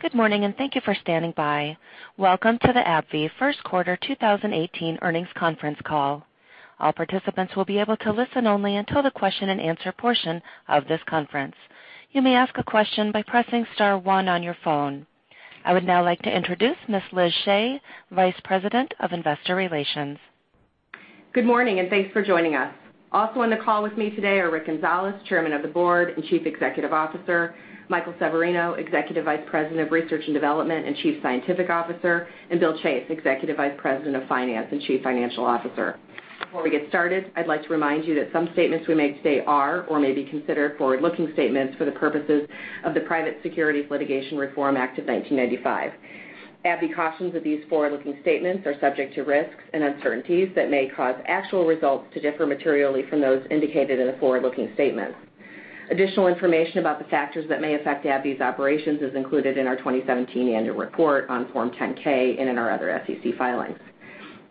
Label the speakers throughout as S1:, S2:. S1: Good morning, and thank you for standing by. Welcome to the AbbVie First Quarter 2018 Earnings Conference Call. All participants will be able to listen only until the question and answer portion of this conference. You may ask a question by pressing star one on your phone. I would now like to introduce Ms. Elizabeth Shea, Vice President of Investor Relations.
S2: Good morning, and thanks for joining us. Also on the call with me today are Rick Gonzalez, Chairman of the Board and Chief Executive Officer, Michael Severino, Executive Vice President of Research and Development and Chief Scientific Officer, and Bill Chase, Executive Vice President of Finance and Chief Financial Officer. Before we get started, I'd like to remind you that some statements we make today are or may be considered forward-looking statements for the purposes of the Private Securities Litigation Reform Act of 1995. AbbVie cautions that these forward-looking statements are subject to risks and uncertainties that may cause actual results to differ materially from those indicated in the forward-looking statements. Additional information about the factors that may affect AbbVie's operations is included in our 2017 annual report on Form 10-K and in our other SEC filings.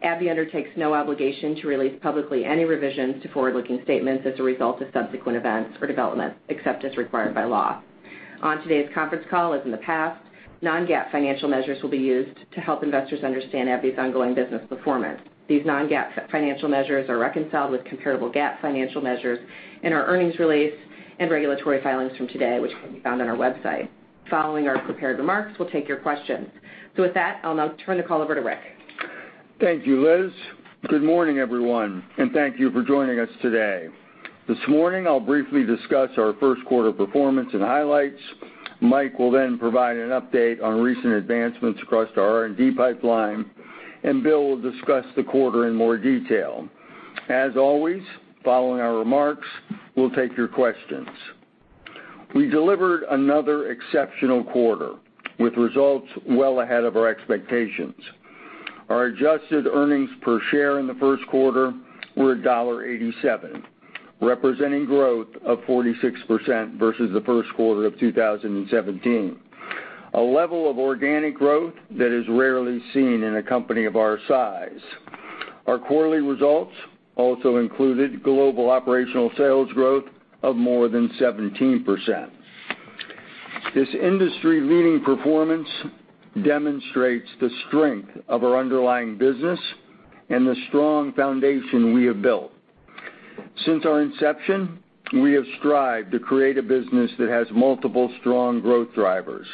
S2: AbbVie undertakes no obligation to release publicly any revisions to forward-looking statements as a result of subsequent events or developments, except as required by law. On today's conference call, as in the past, non-GAAP financial measures will be used to help investors understand AbbVie's ongoing business performance. These non-GAAP financial measures are reconciled with comparable GAAP financial measures in our earnings release and regulatory filings from today, which can be found on our website. Following our prepared remarks, we'll take your questions. With that, I'll now turn the call over to Rick.
S3: Thank you, Liz. Good morning, everyone, and thank you for joining us today. This morning, I'll briefly discuss our first quarter performance and highlights. Mike will then provide an update on recent advancements across our R&D pipeline, and Bill will discuss the quarter in more detail. As always, following our remarks, we'll take your questions. We delivered another exceptional quarter with results well ahead of our expectations. Our adjusted earnings per share in the first quarter were $1.87, representing growth of 46% versus the first quarter of 2017, a level of organic growth that is rarely seen in a company of our size. Our quarterly results also included global operational sales growth of more than 17%. This industry-leading performance demonstrates the strength of our underlying business and the strong foundation we have built. Since our inception, we have strived to create a business that has multiple strong growth drivers.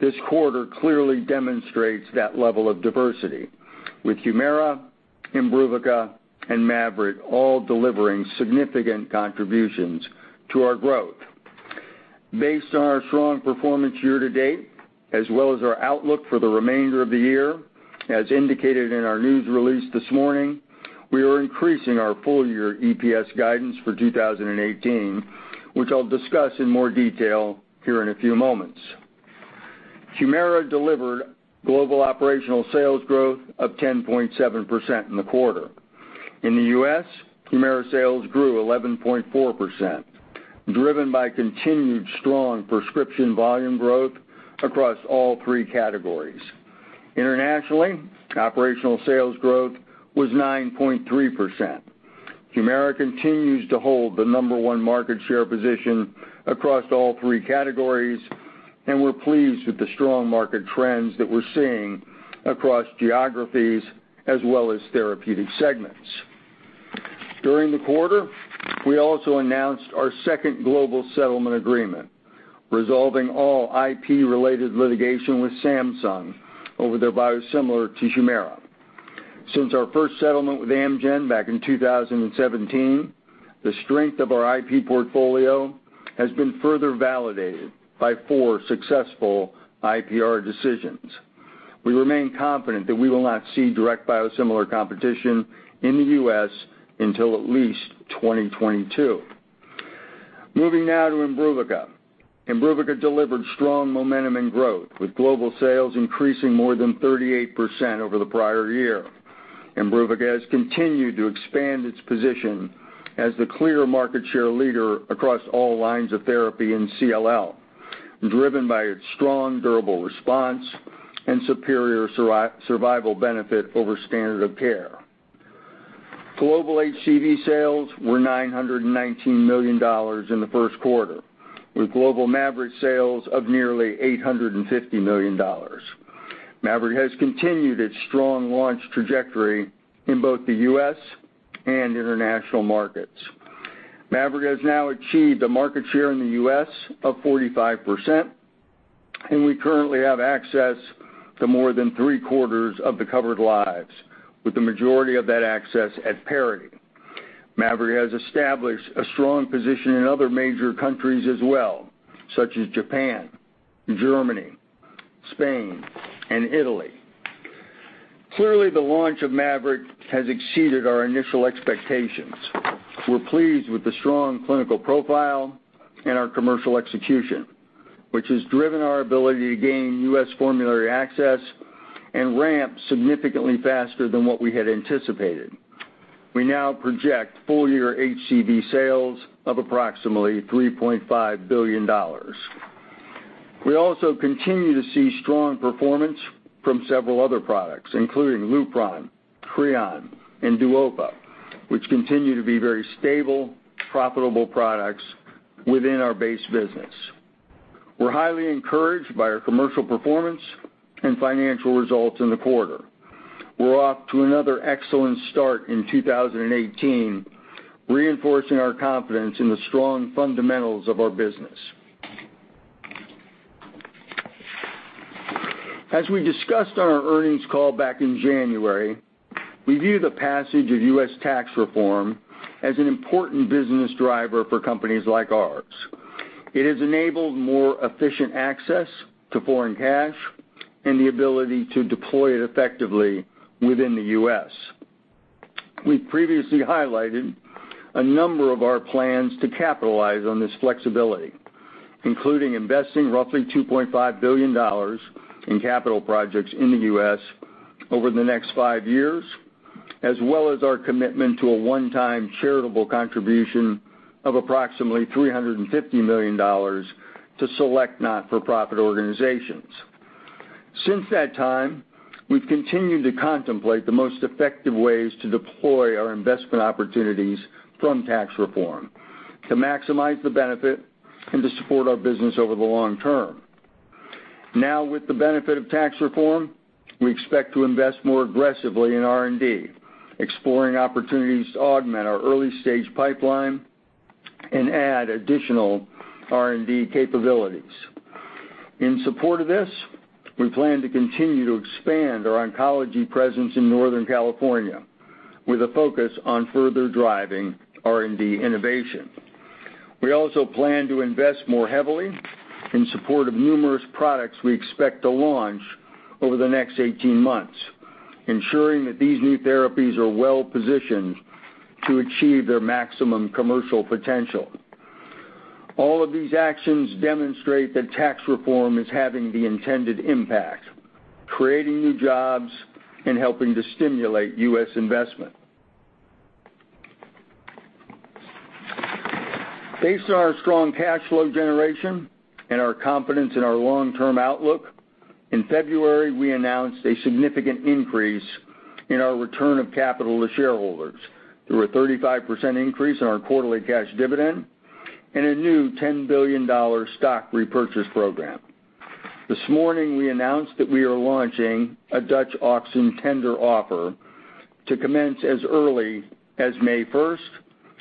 S3: This quarter clearly demonstrates that level of diversity with HUMIRA, IMBRUVICA, and MAVYRET all delivering significant contributions to our growth. Based on our strong performance year to date, as well as our outlook for the remainder of the year, as indicated in our news release this morning, we are increasing our full-year EPS guidance for 2018, which I'll discuss in more detail here in a few moments. HUMIRA delivered global operational sales growth of 10.7% in the quarter. In the U.S., HUMIRA sales grew 11.4%, driven by continued strong prescription volume growth across all 3 categories. Internationally, operational sales growth was 9.3%. HUMIRA continues to hold the number 1 market share position across all 3 categories, and we're pleased with the strong market trends that we're seeing across geographies as well as therapeutic segments. During the quarter, we also announced our second global settlement agreement, resolving all IP-related litigation with Samsung over their biosimilar to HUMIRA. Since our first settlement with Amgen back in 2017, the strength of our IP portfolio has been further validated by four successful IPR decisions. We remain confident that we will not see direct biosimilar competition in the U.S. until at least 2022. Moving now to IMBRUVICA. IMBRUVICA delivered strong momentum and growth, with global sales increasing more than 38% over the prior year. IMBRUVICA has continued to expand its position as the clear market share leader across all lines of therapy in CLL, driven by its strong durable response and superior survival benefit over standard of care. Global HCV sales were $919 million in the first quarter, with global MAVYRET sales of nearly $850 million. MAVYRET has continued its strong launch trajectory in both the U.S. and international markets. MAVYRET has now achieved a market share in the U.S. of 45%, and we currently have access to more than three-quarters of the covered lives, with the majority of that access at parity. MAVYRET has established a strong position in other major countries as well, such as Japan, Germany, Spain, and Italy. Clearly, the launch of MAVYRET has exceeded our initial expectations. We're pleased with the strong clinical profile and our commercial execution, which has driven our ability to gain U.S. formulary access and ramp significantly faster than what we had anticipated. We now project full-year HCV sales of approximately $3.5 billion. We also continue to see strong performance from several other products, including Lupron, CREON, and DUODOPA, which continue to be very stable, profitable products within our base business. We're highly encouraged by our commercial performance and financial results in the quarter. We're off to another excellent start in 2018, reinforcing our confidence in the strong fundamentals of our business. As we discussed on our earnings call back in January, we view the passage of U.S. tax reform as an important business driver for companies like ours. It has enabled more efficient access to foreign cash and the ability to deploy it effectively within the U.S. We've previously highlighted a number of our plans to capitalize on this flexibility, including investing roughly $2.5 billion in capital projects in the U.S. over the next five years, as well as our commitment to a one-time charitable contribution of approximately $350 million to select not-for-profit organizations. Since that time, we've continued to contemplate the most effective ways to deploy our investment opportunities from tax reform to maximize the benefit and to support our business over the long term. Now, with the benefit of tax reform, we expect to invest more aggressively in R&D, exploring opportunities to augment our early-stage pipeline and add additional R&D capabilities. In support of this, we plan to continue to expand our oncology presence in Northern California with a focus on further driving R&D innovation. We also plan to invest more heavily in support of numerous products we expect to launch over the next 18 months, ensuring that these new therapies are well-positioned to achieve their maximum commercial potential. All of these actions demonstrate that tax reform is having the intended impact, creating new jobs and helping to stimulate U.S. investment. Based on our strong cash flow generation and our confidence in our long-term outlook, in February, we announced a significant increase in our return of capital to shareholders through a 35% increase in our quarterly cash dividend and a new $10 billion stock repurchase program. This morning, we announced that we are launching a Dutch auction tender offer to commence as early as May 1st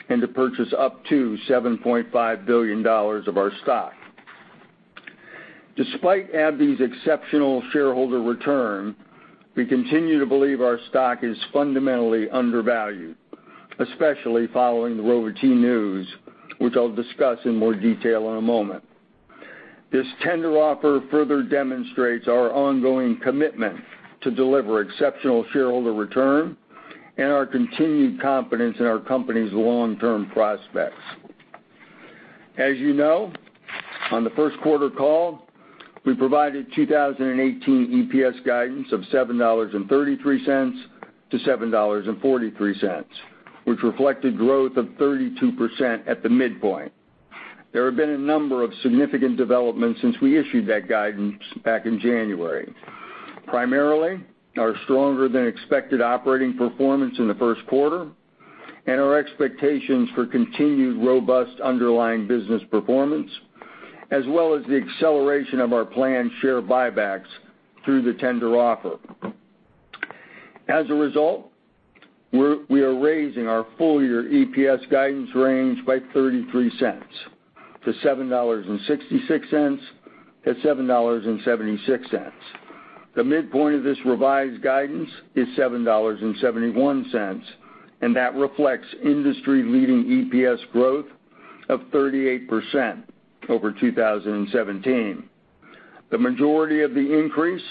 S3: and to purchase up to $7.5 billion of our stock. Despite AbbVie's exceptional shareholder return, we continue to believe our stock is fundamentally undervalued, especially following the Rova-T news, which I'll discuss in more detail in a moment. This tender offer further demonstrates our ongoing commitment to deliver exceptional shareholder return and our continued confidence in our company's long-term prospects. As you know, on the first quarter call, we provided 2018 EPS guidance of $7.33-$7.43, which reflected growth of 32% at the midpoint. There have been a number of significant developments since we issued that guidance back in January, primarily our stronger than expected operating performance in the first quarter and our expectations for continued robust underlying business performance, as well as the acceleration of our planned share buybacks through the tender offer. As a result, we are raising our full-year EPS guidance range by $0.33 to $7.66-$7.76. The midpoint of this revised guidance is $7.71, and that reflects industry-leading EPS growth of 38% over 2017. The majority of the increase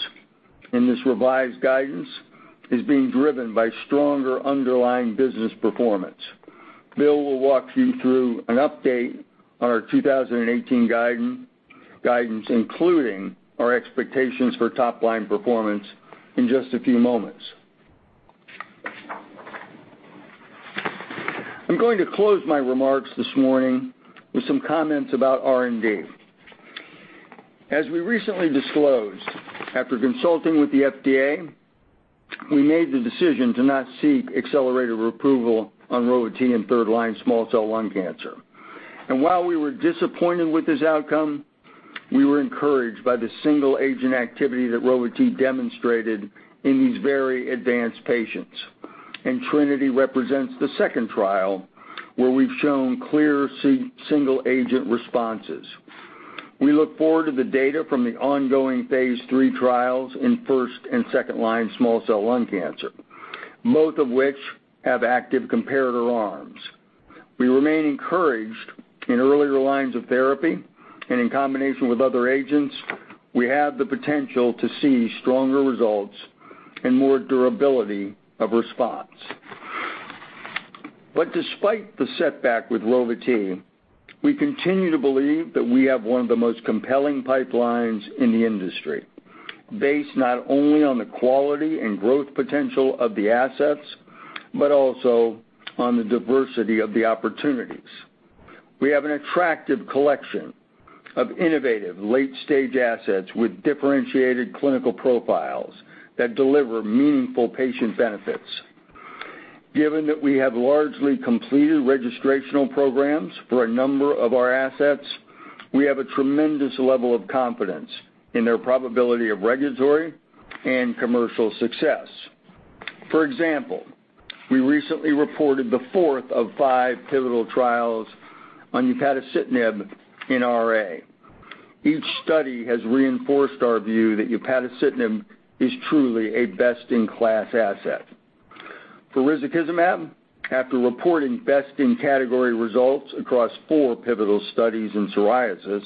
S3: in this revised guidance is being driven by stronger underlying business performance. Bill will walk you through an update on our 2018 guidance, including our expectations for top-line performance in just a few moments. I'm going to close my remarks this morning with some comments about R&D. As we recently disclosed, after consulting with the FDA, we made the decision to not seek accelerated approval on Rova-T in third-line small cell lung cancer. While we were disappointed with this outcome, we were encouraged by the single-agent activity that Rova-T demonstrated in these very advanced patients. TRINITY represents the second trial where we've shown clear single-agent responses. We look forward to the data from the ongoing phase III trials in first and second-line small cell lung cancer, both of which have active comparator arms. We remain encouraged in earlier lines of therapy and in combination with other agents, we have the potential to see stronger results and more durability of response. Despite the setback with Rova-T, we continue to believe that we have one of the most compelling pipelines in the industry, based not only on the quality and growth potential of the assets, but also on the diversity of the opportunities. We have an attractive collection of innovative late-stage assets with differentiated clinical profiles that deliver meaningful patient benefits. Given that we have largely completed registrational programs for a number of our assets, we have a tremendous level of confidence in their probability of regulatory and commercial success. For example, we recently reported the fourth of five pivotal trials on upadacitinib in RA. Each study has reinforced our view that upadacitinib is truly a best-in-class asset. For risankizumab, after reporting best-in-category results across four pivotal studies in psoriasis,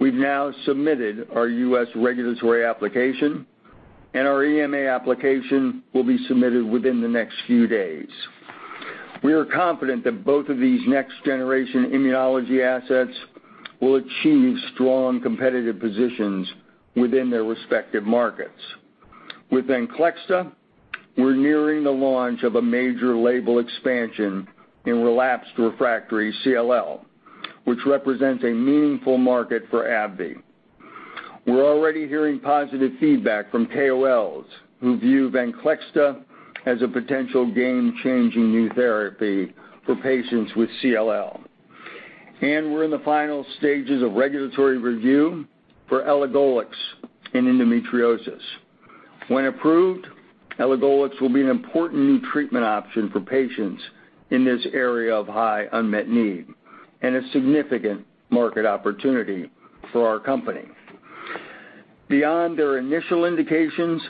S3: we've now submitted our U.S. regulatory application, and our EMA application will be submitted within the next few days. We are confident that both of these next-generation immunology assets will achieve strong competitive positions within their respective markets. With VENCLEXTA, we're nearing the launch of a major label expansion in relapsed/refractory CLL, which represents a meaningful market for AbbVie. We're already hearing positive feedback from KOLs who view VENCLEXTA as a potential game-changing new therapy for patients with CLL. We're in the final stages of regulatory review for elagolix in endometriosis. When approved, elagolix will be an important new treatment option for patients in this area of high unmet need and a significant market opportunity for our company. Beyond their initial indications,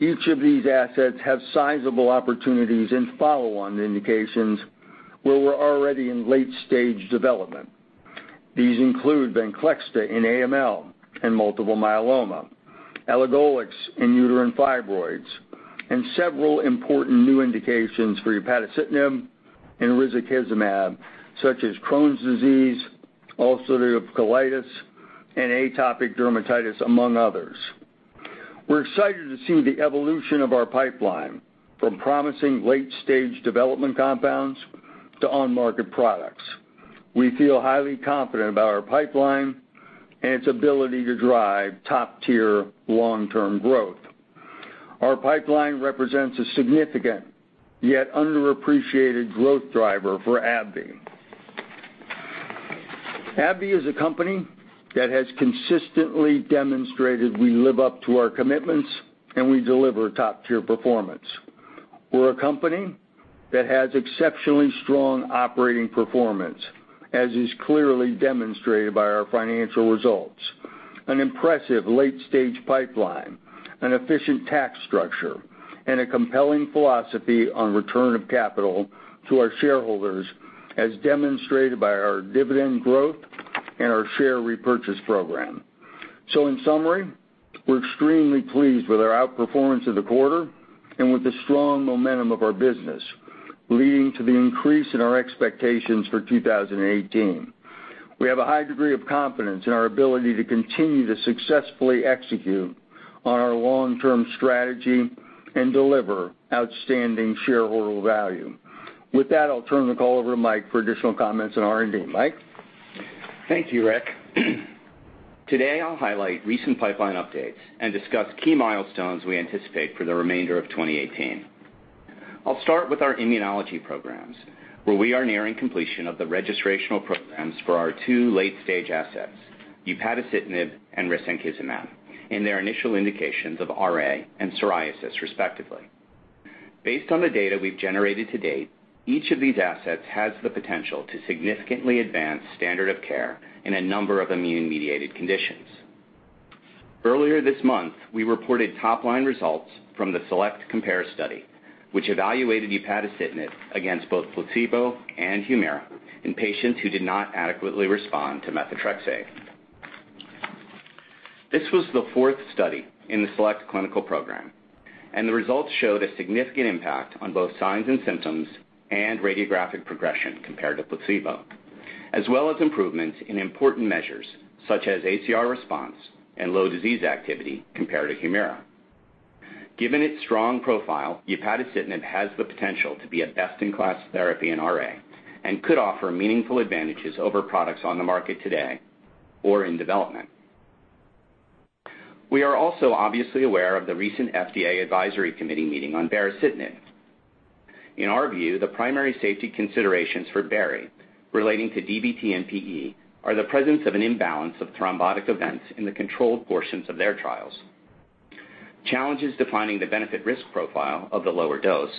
S3: each of these assets have sizable opportunities in follow-on indications where we're already in late-stage development. These include VENCLEXTA in AML and multiple myeloma, elagolix in uterine fibroids, and several important new indications for upadacitinib and risankizumab such as Crohn's disease, ulcerative colitis, and atopic dermatitis, among others. We're excited to see the evolution of our pipeline from promising late-stage development compounds to on-market products. We feel highly confident about our pipeline and its ability to drive top-tier long-term growth. Our pipeline represents a significant, yet underappreciated growth driver for AbbVie. AbbVie is a company that has consistently demonstrated we live up to our commitments. We deliver top-tier performance. We're a company that has exceptionally strong operating performance, as is clearly demonstrated by our financial results, an impressive late-stage pipeline, an efficient tax structure, and a compelling philosophy on return of capital to our shareholders, as demonstrated by our dividend growth and our share repurchase program. In summary, we're extremely pleased with our outperformance of the quarter and with the strong momentum of our business, leading to the increase in our expectations for 2018. We have a high degree of confidence in our ability to continue to successfully execute on our long-term strategy and deliver outstanding shareholder value. With that, I'll turn the call over to Mike for additional comments on R&D. Mike?
S4: Thank you, Rick. Today, I'll highlight recent pipeline updates and discuss key milestones we anticipate for the remainder of 2018. I'll start with our immunology programs, where we are nearing completion of the registrational programs for our two late-stage assets, upadacitinib and risankizumab, in their initial indications of RA and psoriasis, respectively. Based on the data we've generated to date, each of these assets has the potential to significantly advance standard of care in a number of immune-mediated conditions. Earlier this month, we reported top-line results from the SELECT-COMPARE study, which evaluated upadacitinib against both placebo and HUMIRA in patients who did not adequately respond to methotrexate. This was the fourth study in the SELECT clinical program, the results showed a significant impact on both signs and symptoms and radiographic progression compared to placebo, as well as improvements in important measures such as ACR response and low disease activity compared to HUMIRA. Given its strong profile, upadacitinib has the potential to be a best-in-class therapy in RA and could offer meaningful advantages over products on the market today or in development. We are also obviously aware of the recent FDA advisory committee meeting on baricitinib. In our view, the primary safety considerations for Bari relating to DVT and PE are the presence of an imbalance of thrombotic events in the controlled portions of their trials, challenges defining the benefit/risk profile of the lower dose,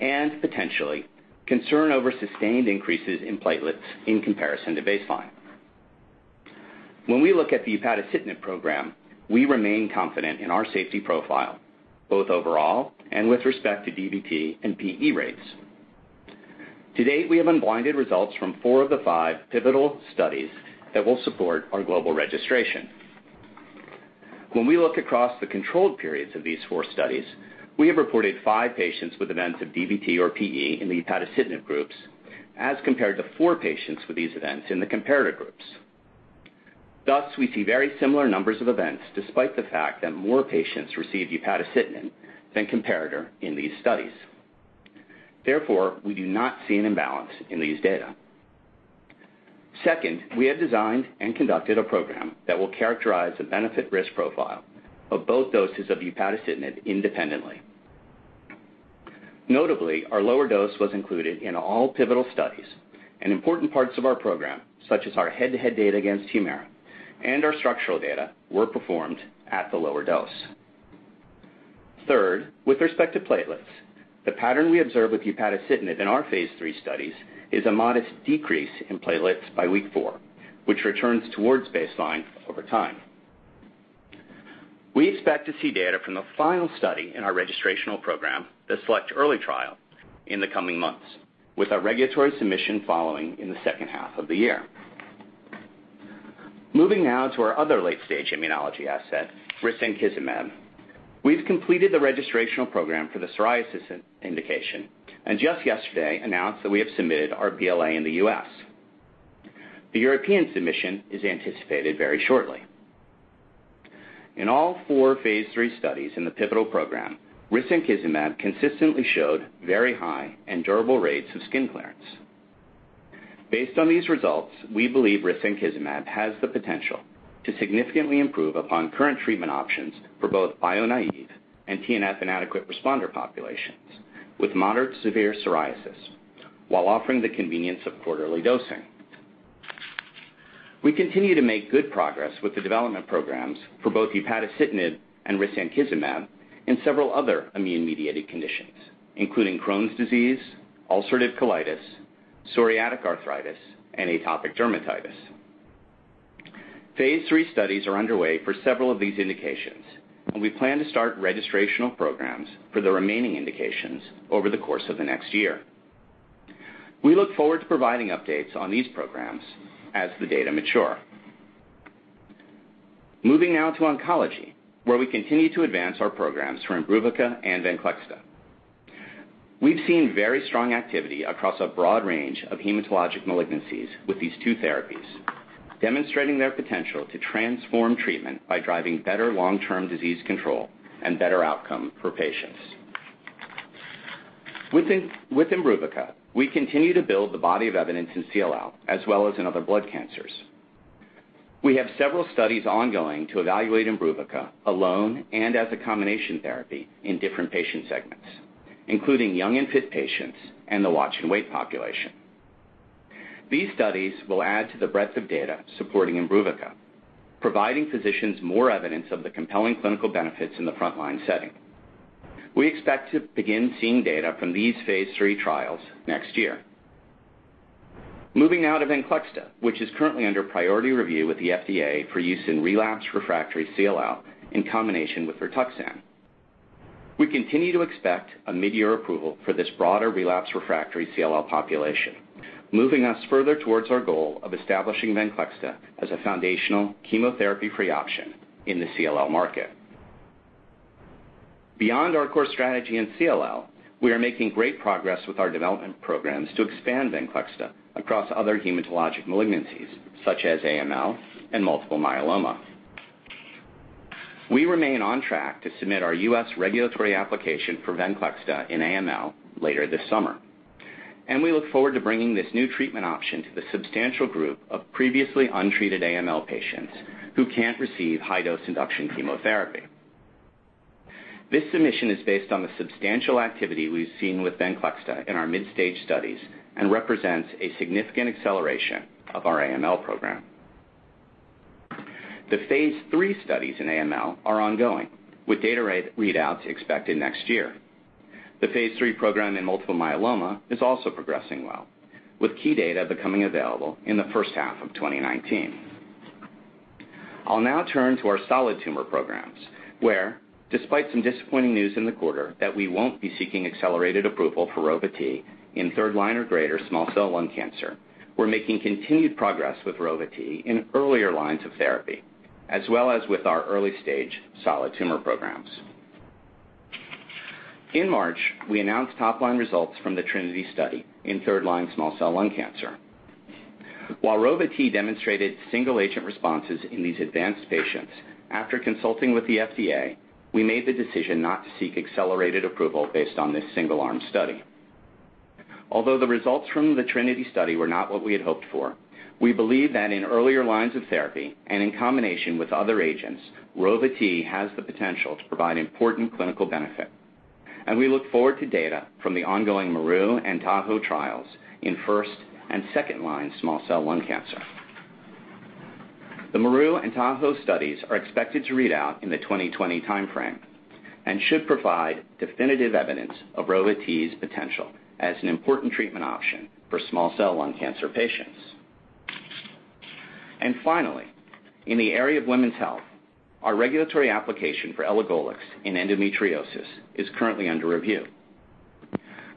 S4: and potentially concern over sustained increases in platelets in comparison to baseline. When we look at the upadacitinib program, we remain confident in our safety profile, both overall and with respect to DVT and PE rates. To date, we have unblinded results from four of the five pivotal studies that will support our global registration. When we look across the controlled periods of these four studies, we have reported five patients with events of DVT or PE in the upadacitinib groups as compared to four patients with these events in the comparator groups. Thus, we see very similar numbers of events despite the fact that more patients received upadacitinib than comparator in these studies. Therefore, we do not see an imbalance in these data. Second, we have designed and conducted a program that will characterize the benefit-risk profile of both doses of upadacitinib independently. Notably, our lower dose was included in all pivotal studies, and important parts of our program, such as our head-to-head data against HUMIRA and our structural data, were performed at the lower dose. Third, with respect to platelets, the pattern we observe with upadacitinib in our phase III studies is a modest decrease in platelets by week four, which returns towards baseline over time. We expect to see data from the final study in our registrational program, the SELECT-EARLY trial, in the coming months, with our regulatory submission following in the second half of the year. Moving now to our other late-stage immunology asset, risankizumab. We've completed the registrational program for the psoriasis indication, just yesterday announced that we have submitted our BLA in the U.S. The European submission is anticipated very shortly. In all four phase III studies in the pivotal program, risankizumab consistently showed very high and durable rates of skin clearance. Based on these results, we believe risankizumab has the potential to significantly improve upon current treatment options for both bio-naïve and TNF-inadequate responder populations with moderate-severe psoriasis while offering the convenience of quarterly dosing. We continue to make good progress with the development programs for both upadacitinib and risankizumab and several other immune-mediated conditions, including Crohn's disease, ulcerative colitis, psoriatic arthritis, and atopic dermatitis. Phase III studies are underway for several of these indications, and we plan to start registrational programs for the remaining indications over the course of the next year. We look forward to providing updates on these programs as the data mature. Moving now to oncology, where we continue to advance our programs for IMBRUVICA and VENCLEXTA. We've seen very strong activity across a broad range of hematologic malignancies with these two therapies, demonstrating their potential to transform treatment by driving better long-term disease control and better outcome for patients. With IMBRUVICA, we continue to build the body of evidence in CLL as well as in other blood cancers. We have several studies ongoing to evaluate IMBRUVICA alone and as a combination therapy in different patient segments, including young and fit patients and the watch and wait population. These studies will add to the breadth of data supporting IMBRUVICA, providing physicians more evidence of the compelling clinical benefits in the frontline setting. We expect to begin seeing data from these phase III trials next year. Moving now to VENCLEXTA, which is currently under priority review with the FDA for use in relapse-refractory CLL in combination with RITUXAN. We continue to expect a mid-year approval for this broader relapse-refractory CLL population, moving us further towards our goal of establishing VENCLEXTA as a foundational chemotherapy-free option in the CLL market. Beyond our core strategy in CLL, we are making great progress with our development programs to expand VENCLEXTA across other hematologic malignancies such as AML and multiple myeloma. We remain on track to submit our U.S. regulatory application for VENCLEXTA in AML later this summer, and we look forward to bringing this new treatment option to the substantial group of previously untreated AML patients who can't receive high-dose induction chemotherapy. This submission is based on the substantial activity we've seen with VENCLEXTA in our mid-stage studies and represents a significant acceleration of our AML program. The phase III studies in AML are ongoing, with data readouts expected next year. The phase III program in multiple myeloma is also progressing well, with key data becoming available in the first half of 2019. I'll now turn to our solid tumor programs, where, despite some disappointing news in the quarter that we won't be seeking accelerated approval for Rova-T in third-line or greater small cell lung cancer, we're making continued progress with Rova-T in earlier lines of therapy, as well as with our early-stage solid tumor programs. In March, we announced top-line results from the TRINITY study in third-line small cell lung cancer. While Rova-T demonstrated single-agent responses in these advanced patients, after consulting with the FDA, we made the decision not to seek accelerated approval based on this single-arm study. Although the results from the TRINITY study were not what we had hoped for, we believe that in earlier lines of therapy and in combination with other agents, Rova-T has the potential to provide important clinical benefit. We look forward to data from the ongoing MERU and TAHOE trials in first- and second-line small cell lung cancer. The MERU and TAHOE studies are expected to read out in the 2020 timeframe and should provide definitive evidence of Rova-T's potential as an important treatment option for small cell lung cancer patients. Finally, in the area of women's health, our regulatory application for elagolix in endometriosis is currently under review.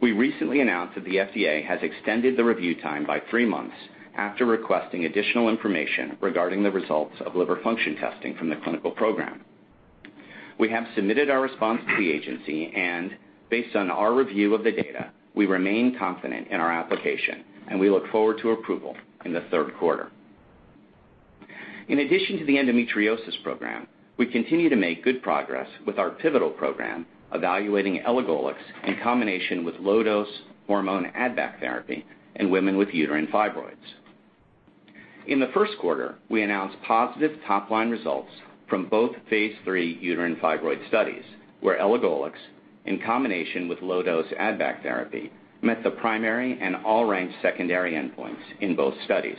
S4: We recently announced that the FDA has extended the review time by three months after requesting additional information regarding the results of liver function testing from the clinical program. We have submitted our response to the agency. Based on our review of the data, we remain confident in our application. We look forward to approval in the third quarter. In addition to the endometriosis program, we continue to make good progress with our pivotal program evaluating elagolix in combination with low-dose hormone add-back therapy in women with uterine fibroids. In the first quarter, we announced positive top-line results from both phase III uterine fibroid studies, where elagolix, in combination with low-dose add-back therapy, met the primary and all ranked secondary endpoints in both studies.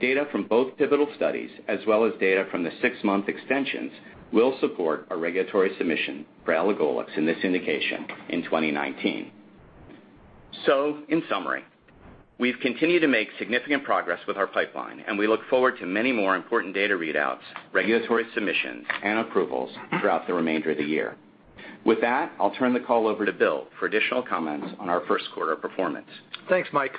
S4: Data from both pivotal studies, as well as data from the six-month extensions, will support a regulatory submission for elagolix in this indication in 2019. In summary, we've continued to make significant progress with our pipeline. We look forward to many more important data readouts, regulatory submissions, and approvals throughout the remainder of the year. With that, I'll turn the call over to Bill for additional comments on our first quarter performance.
S5: Thanks, Mike.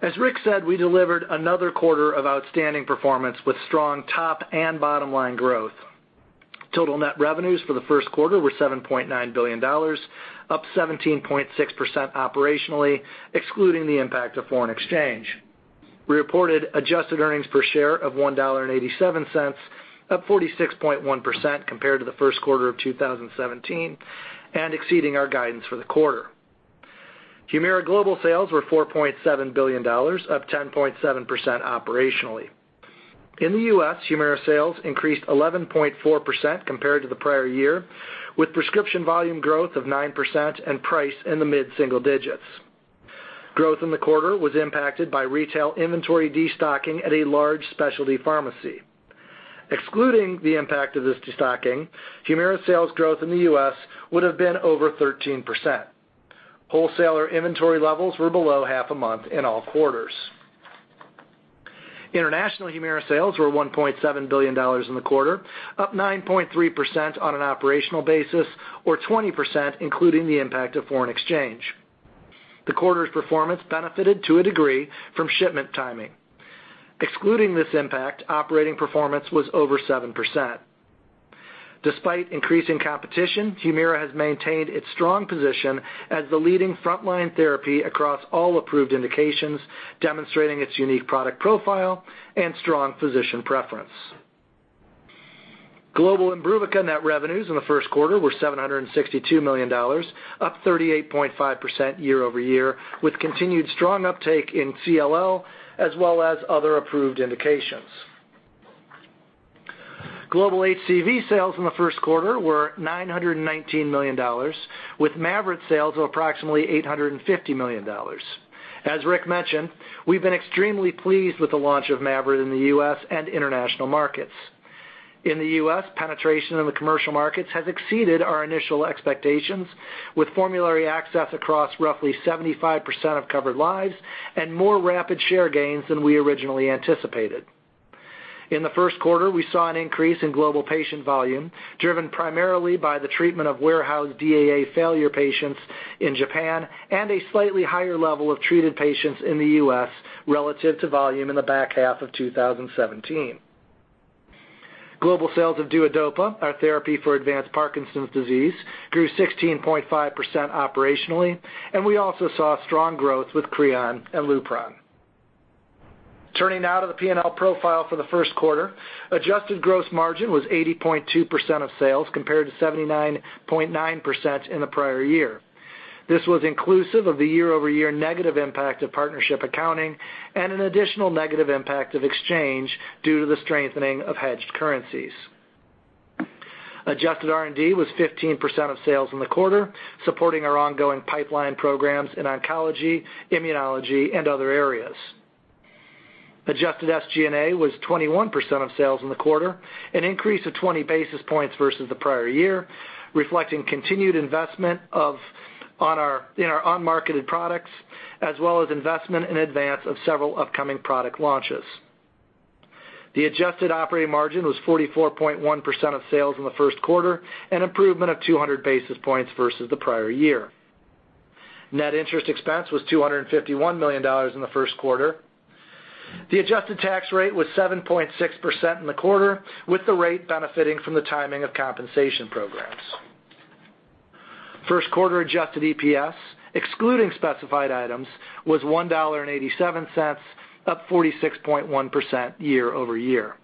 S5: As Rick said, we delivered another quarter of outstanding performance with strong top and bottom-line growth. Total net revenues for the first quarter were $7.9 billion, up 17.6% operationally, excluding the impact of foreign exchange. We reported adjusted earnings per share of $1.87, up 46.1% compared to the first quarter of 2017 and exceeding our guidance for the quarter. HUMIRA global sales were $4.7 billion, up 10.7% operationally. In the U.S., HUMIRA sales increased 11.4% compared to the prior year, with prescription volume growth of 9% and price in the mid-single digits. Growth in the quarter was impacted by retail inventory destocking at a large specialty pharmacy. Excluding the impact of this destocking, HUMIRA sales growth in the U.S. would have been over 13%. Wholesaler inventory levels were below half a month in all quarters. International HUMIRA sales were $1.7 billion in the quarter, up 9.3% on an operational basis, or 20% including the impact of foreign exchange. The quarter's performance benefited to a degree from shipment timing. Excluding this impact, operating performance was over 7%. Despite increasing competition, HUMIRA has maintained its strong position as the leading frontline therapy across all approved indications, demonstrating its unique product profile and strong physician preference. Global IMBRUVICA net revenues in the first quarter were $762 million, up 38.5% year-over-year, with continued strong uptake in CLL as well as other approved indications. Global HCV sales in the first quarter were $919 million, with MAVYRET sales of approximately $850 million. As Rick mentioned, we've been extremely pleased with the launch of MAVYRET in the U.S. and international markets. In the U.S., penetration in the commercial markets has exceeded our initial expectations, with formulary access across roughly 75% of covered lives and more rapid share gains than we originally anticipated. In the first quarter, we saw an increase in global patient volume, driven primarily by the treatment of warehoused DAA failure patients in Japan and a slightly higher level of treated patients in the U.S. relative to volume in the back half of 2017. Global sales of DUODOPA, our therapy for advanced Parkinson's disease, grew 16.5% operationally, and we also saw strong growth with CREON and LUPRON. Turning now to the P&L profile for the first quarter. Adjusted gross margin was 80.2% of sales, compared to 79.9% in the prior year. This was inclusive of the year-over-year negative impact of partnership accounting and an additional negative impact of exchange due to the strengthening of hedged currencies. Adjusted R&D was 15% of sales in the quarter, supporting our ongoing pipeline programs in oncology, immunology, and other areas. Adjusted SG&A was 21% of sales in the quarter, an increase of 20 basis points versus the prior year, reflecting continued investment in our unmarketed products as well as investment in advance of several upcoming product launches. The adjusted operating margin was 44.1% of sales in the first quarter, an improvement of 200 basis points versus the prior year. Net interest expense was $251 million in the first quarter. The adjusted tax rate was 7.6% in the quarter, with the rate benefiting from the timing of compensation programs. First quarter adjusted EPS, excluding specified items, was $1.87, up 46.1% year-over-year.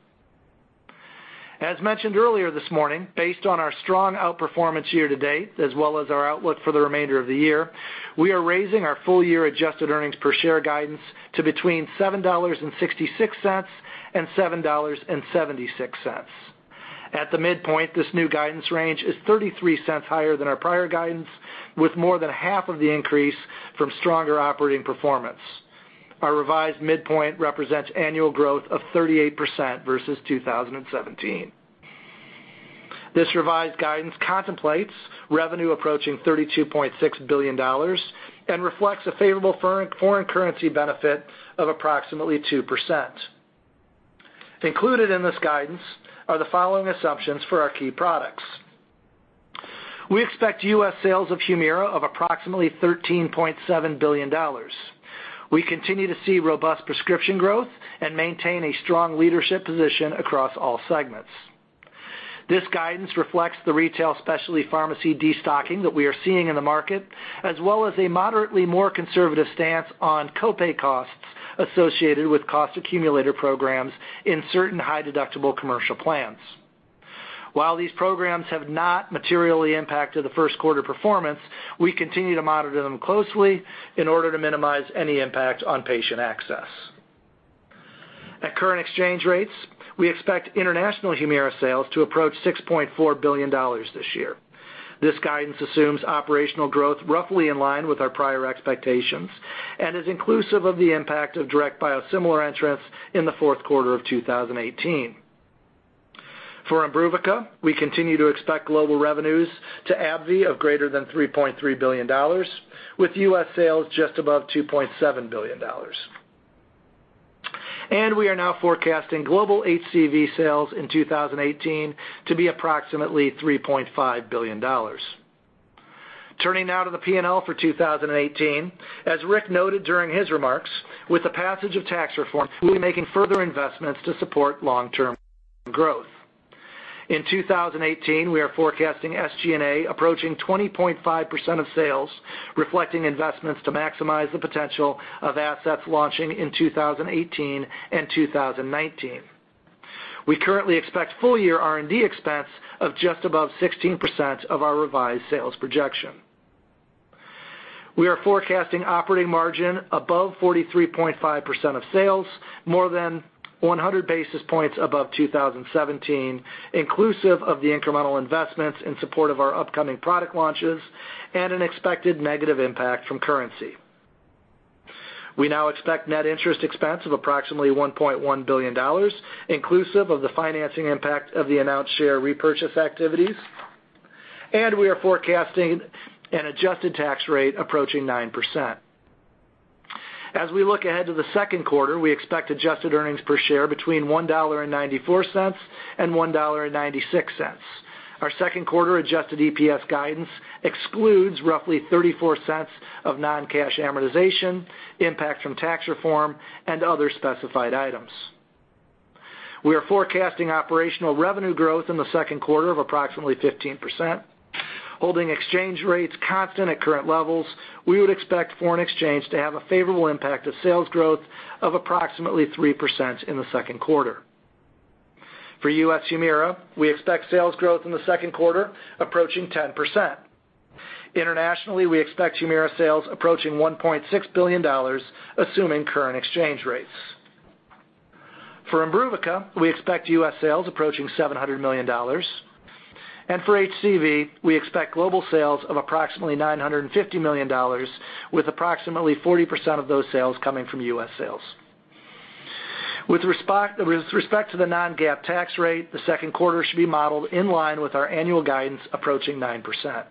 S5: As mentioned earlier this morning, based on our strong outperformance year-to-date as well as our outlook for the remainder of the year, we are raising our full-year adjusted earnings per share guidance to between $7.66 and $7.76. At the midpoint, this new guidance range is $0.33 higher than our prior guidance, with more than half of the increase from stronger operating performance. Our revised midpoint represents annual growth of 38% versus 2017. This revised guidance contemplates revenue approaching $32.6 billion and reflects a favorable foreign currency benefit of approximately 2%. Included in this guidance are the following assumptions for our key products. We expect U.S. sales of HUMIRA of approximately $13.7 billion. We continue to see robust prescription growth and maintain a strong leadership position across all segments. This guidance reflects the retail specialty pharmacy destocking that we are seeing in the market, as well as a moderately more conservative stance on copay costs associated with cost accumulator programs in certain high-deductible commercial plans. While these programs have not materially impacted the first quarter performance, we continue to monitor them closely in order to minimize any impact on patient access. At current exchange rates, we expect international HUMIRA sales to approach $6.4 billion this year. This guidance assumes operational growth roughly in line with our prior expectations and is inclusive of the impact of direct biosimilar entrants in the fourth quarter of 2018. For IMBRUVICA, we continue to expect global revenues to AbbVie of greater than $3.3 billion, with U.S. sales just above $2.7 billion. We are now forecasting global HCV sales in 2018 to be approximately $3.5 billion. Turning now to the P&L for 2018, as Rick noted during his remarks, with the passage of tax reform, we'll be making further investments to support long-term growth. In 2018, we are forecasting SG&A approaching 20.5% of sales, reflecting investments to maximize the potential of assets launching in 2018 and 2019. We currently expect full-year R&D expense of just above 16% of our revised sales projection. We are forecasting operating margin above 43.5% of sales, more than 100 basis points above 2017, inclusive of the incremental investments in support of our upcoming product launches and an expected negative impact from currency. We now expect net interest expense of approximately $1.1 billion, inclusive of the financing impact of the announced share repurchase activities. We are forecasting an adjusted tax rate approaching 9%. As we look ahead to the second quarter, we expect adjusted earnings per share between $1.94 and $1.96. Our second quarter adjusted EPS guidance excludes roughly $0.34 of non-cash amortization, impact from tax reform, and other specified items. We are forecasting operational revenue growth in the second quarter of approximately 15%. Holding exchange rates constant at current levels, we would expect foreign exchange to have a favorable impact of sales growth of approximately 3% in the second quarter. For U.S. HUMIRA, we expect sales growth in the second quarter approaching 10%. Internationally, we expect HUMIRA sales approaching $1.6 billion, assuming current exchange rates. For IMBRUVICA, we expect U.S. sales approaching $700 million. For HCV, we expect global sales of approximately $950 million, with approximately 40% of those sales coming from U.S. sales. With respect to the non-GAAP tax rate, the second quarter should be modeled in line with our annual guidance approaching 9%.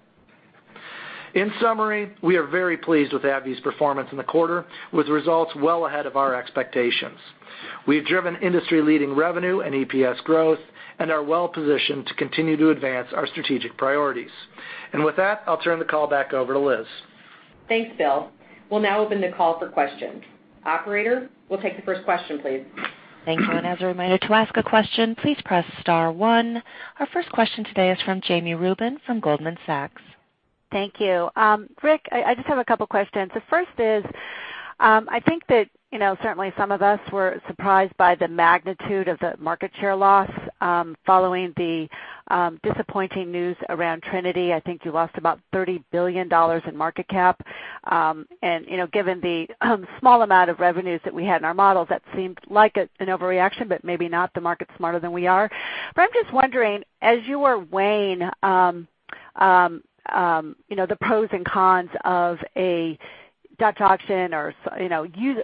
S5: In summary, we are very pleased with AbbVie's performance in the quarter, with results well ahead of our expectations. We have driven industry-leading revenue and EPS growth and are well-positioned to continue to advance our strategic priorities. With that, I'll turn the call back over to Liz.
S2: Thanks, Bill. We'll now open the call for questions. Operator, we'll take the first question, please.
S1: Thank you. As a reminder, to ask a question, please press star 1. Our first question today is from Jami Rubin from Goldman Sachs.
S6: Thank you. Rick, I just have a couple questions. The first is, I think that certainly some of us were surprised by the magnitude of the market share loss following the disappointing news around TRINITY. I think you lost about $30 billion in market cap. Given the small amount of revenues that we had in our models, that seemed like an overreaction, but maybe not. The market's smarter than we are. I'm just wondering, as you were weighing the pros and cons of a Dutch auction or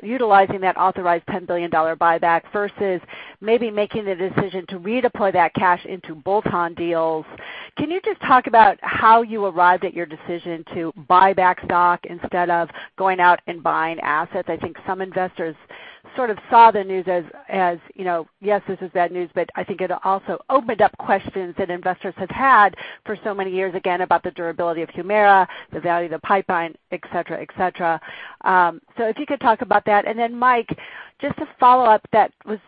S6: utilizing that authorized $10 billion buyback versus maybe making the decision to redeploy that cash into bolt-on deals, can you just talk about how you arrived at your decision to buy back stock instead of going out and buying assets? I think some investors sort of saw the news as, yes, this is bad news, but I think it also opened up questions that investors have had for so many years, again, about the durability of HUMIRA, the value of the pipeline, et cetera. If you could talk about that. Mike, just to follow up, that was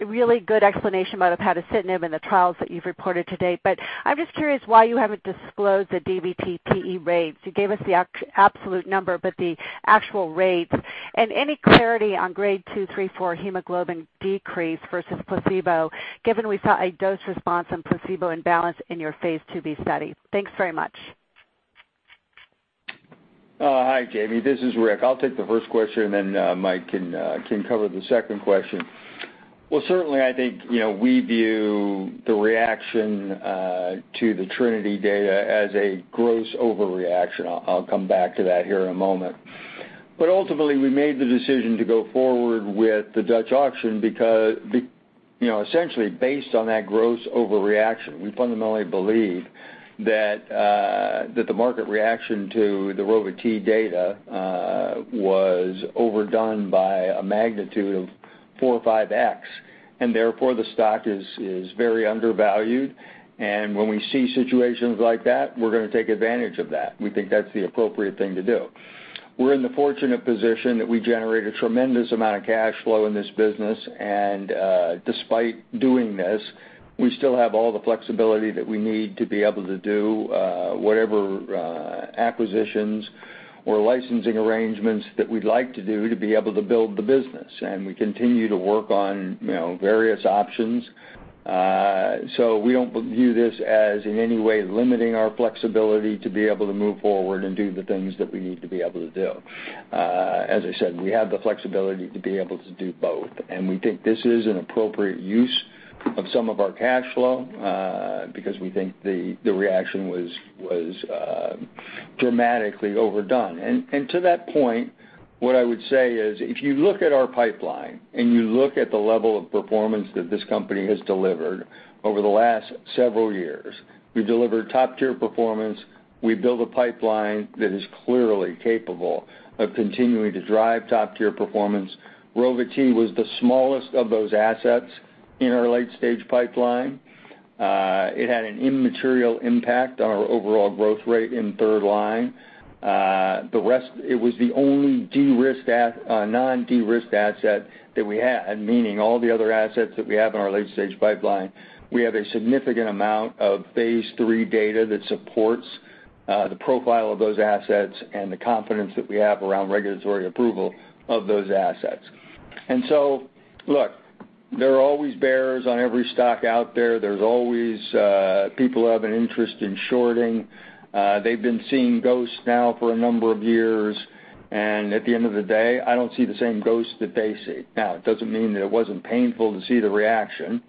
S6: a really good explanation about upadacitinib and the trials that you've reported to date, but I'm just curious why you haven't disclosed the DVT TE rates. You gave us the absolute number, but the actual rates. Any clarity on grade 2, 3, 4 hemoglobin decrease versus placebo, given we saw a dose response and placebo imbalance in your phase II-B study. Thanks very much.
S3: Hi, Jami. This is Rich. I'll take the first question. Then Mike can cover the second question. Well, certainly, I think we view the reaction to the TRINITY data as a gross overreaction. I'll come back to that here in a moment. Ultimately, we made the decision to go forward with the Dutch auction because essentially based on that gross overreaction. We fundamentally believe that the market reaction to the Rova-T data was overdone by a magnitude of four or five x, therefore the stock is very undervalued. When we see situations like that, we're going to take advantage of that. We think that's the appropriate thing to do. We're in the fortunate position that we generate a tremendous amount of cash flow in this business, and despite doing this, we still have all the flexibility that we need to be able to do whatever acquisitions or licensing arrangements that we'd like to do to be able to build the business. We continue to work on various options. We don't view this as in any way limiting our flexibility to be able to move forward and do the things that we need to be able to do. As I said, we have the flexibility to be able to do both, and we think this is an appropriate use of some of our cash flow, because we think the reaction was dramatically overdone. To that point, what I would say is, if you look at our pipeline and you look at the level of performance that this company has delivered over the last several years, we've delivered top-tier performance. We've built a pipeline that is clearly capable of continuing to drive top-tier performance. Rova-T was the smallest of those assets in our late-stage pipeline. It had an immaterial impact on our overall growth rate in third line. It was the only non-de-risked asset that we had, meaning all the other assets that we have in our late-stage pipeline, we have a significant amount of phase III data that supports the profile of those assets and the confidence that we have around regulatory approval of those assets. Look, there are always bears on every stock out there. There's always people who have an interest in shorting. They've been seeing ghosts now for a number of years, and at the end of the day, I don't see the same ghosts that they see. Now, it doesn't mean that it wasn't painful to see the reaction,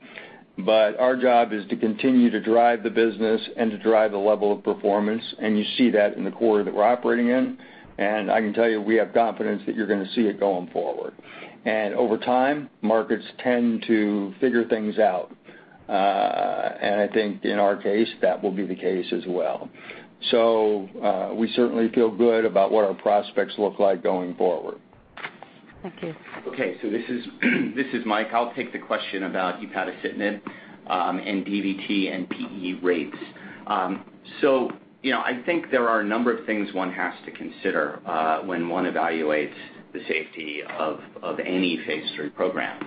S3: but our job is to continue to drive the business and to drive the level of performance, and you see that in the quarter that we're operating in. I can tell you, we have confidence that you're going to see it going forward. Over time, markets tend to figure things out. I think in our case, that will be the case as well. So we certainly feel good about what our prospects look like going forward.
S6: Thank you.
S4: This is Mike. I'll take the question about upadacitinib and DVT and PE rates. I think there are a number of things one has to consider when one evaluates the safety of any phase III program.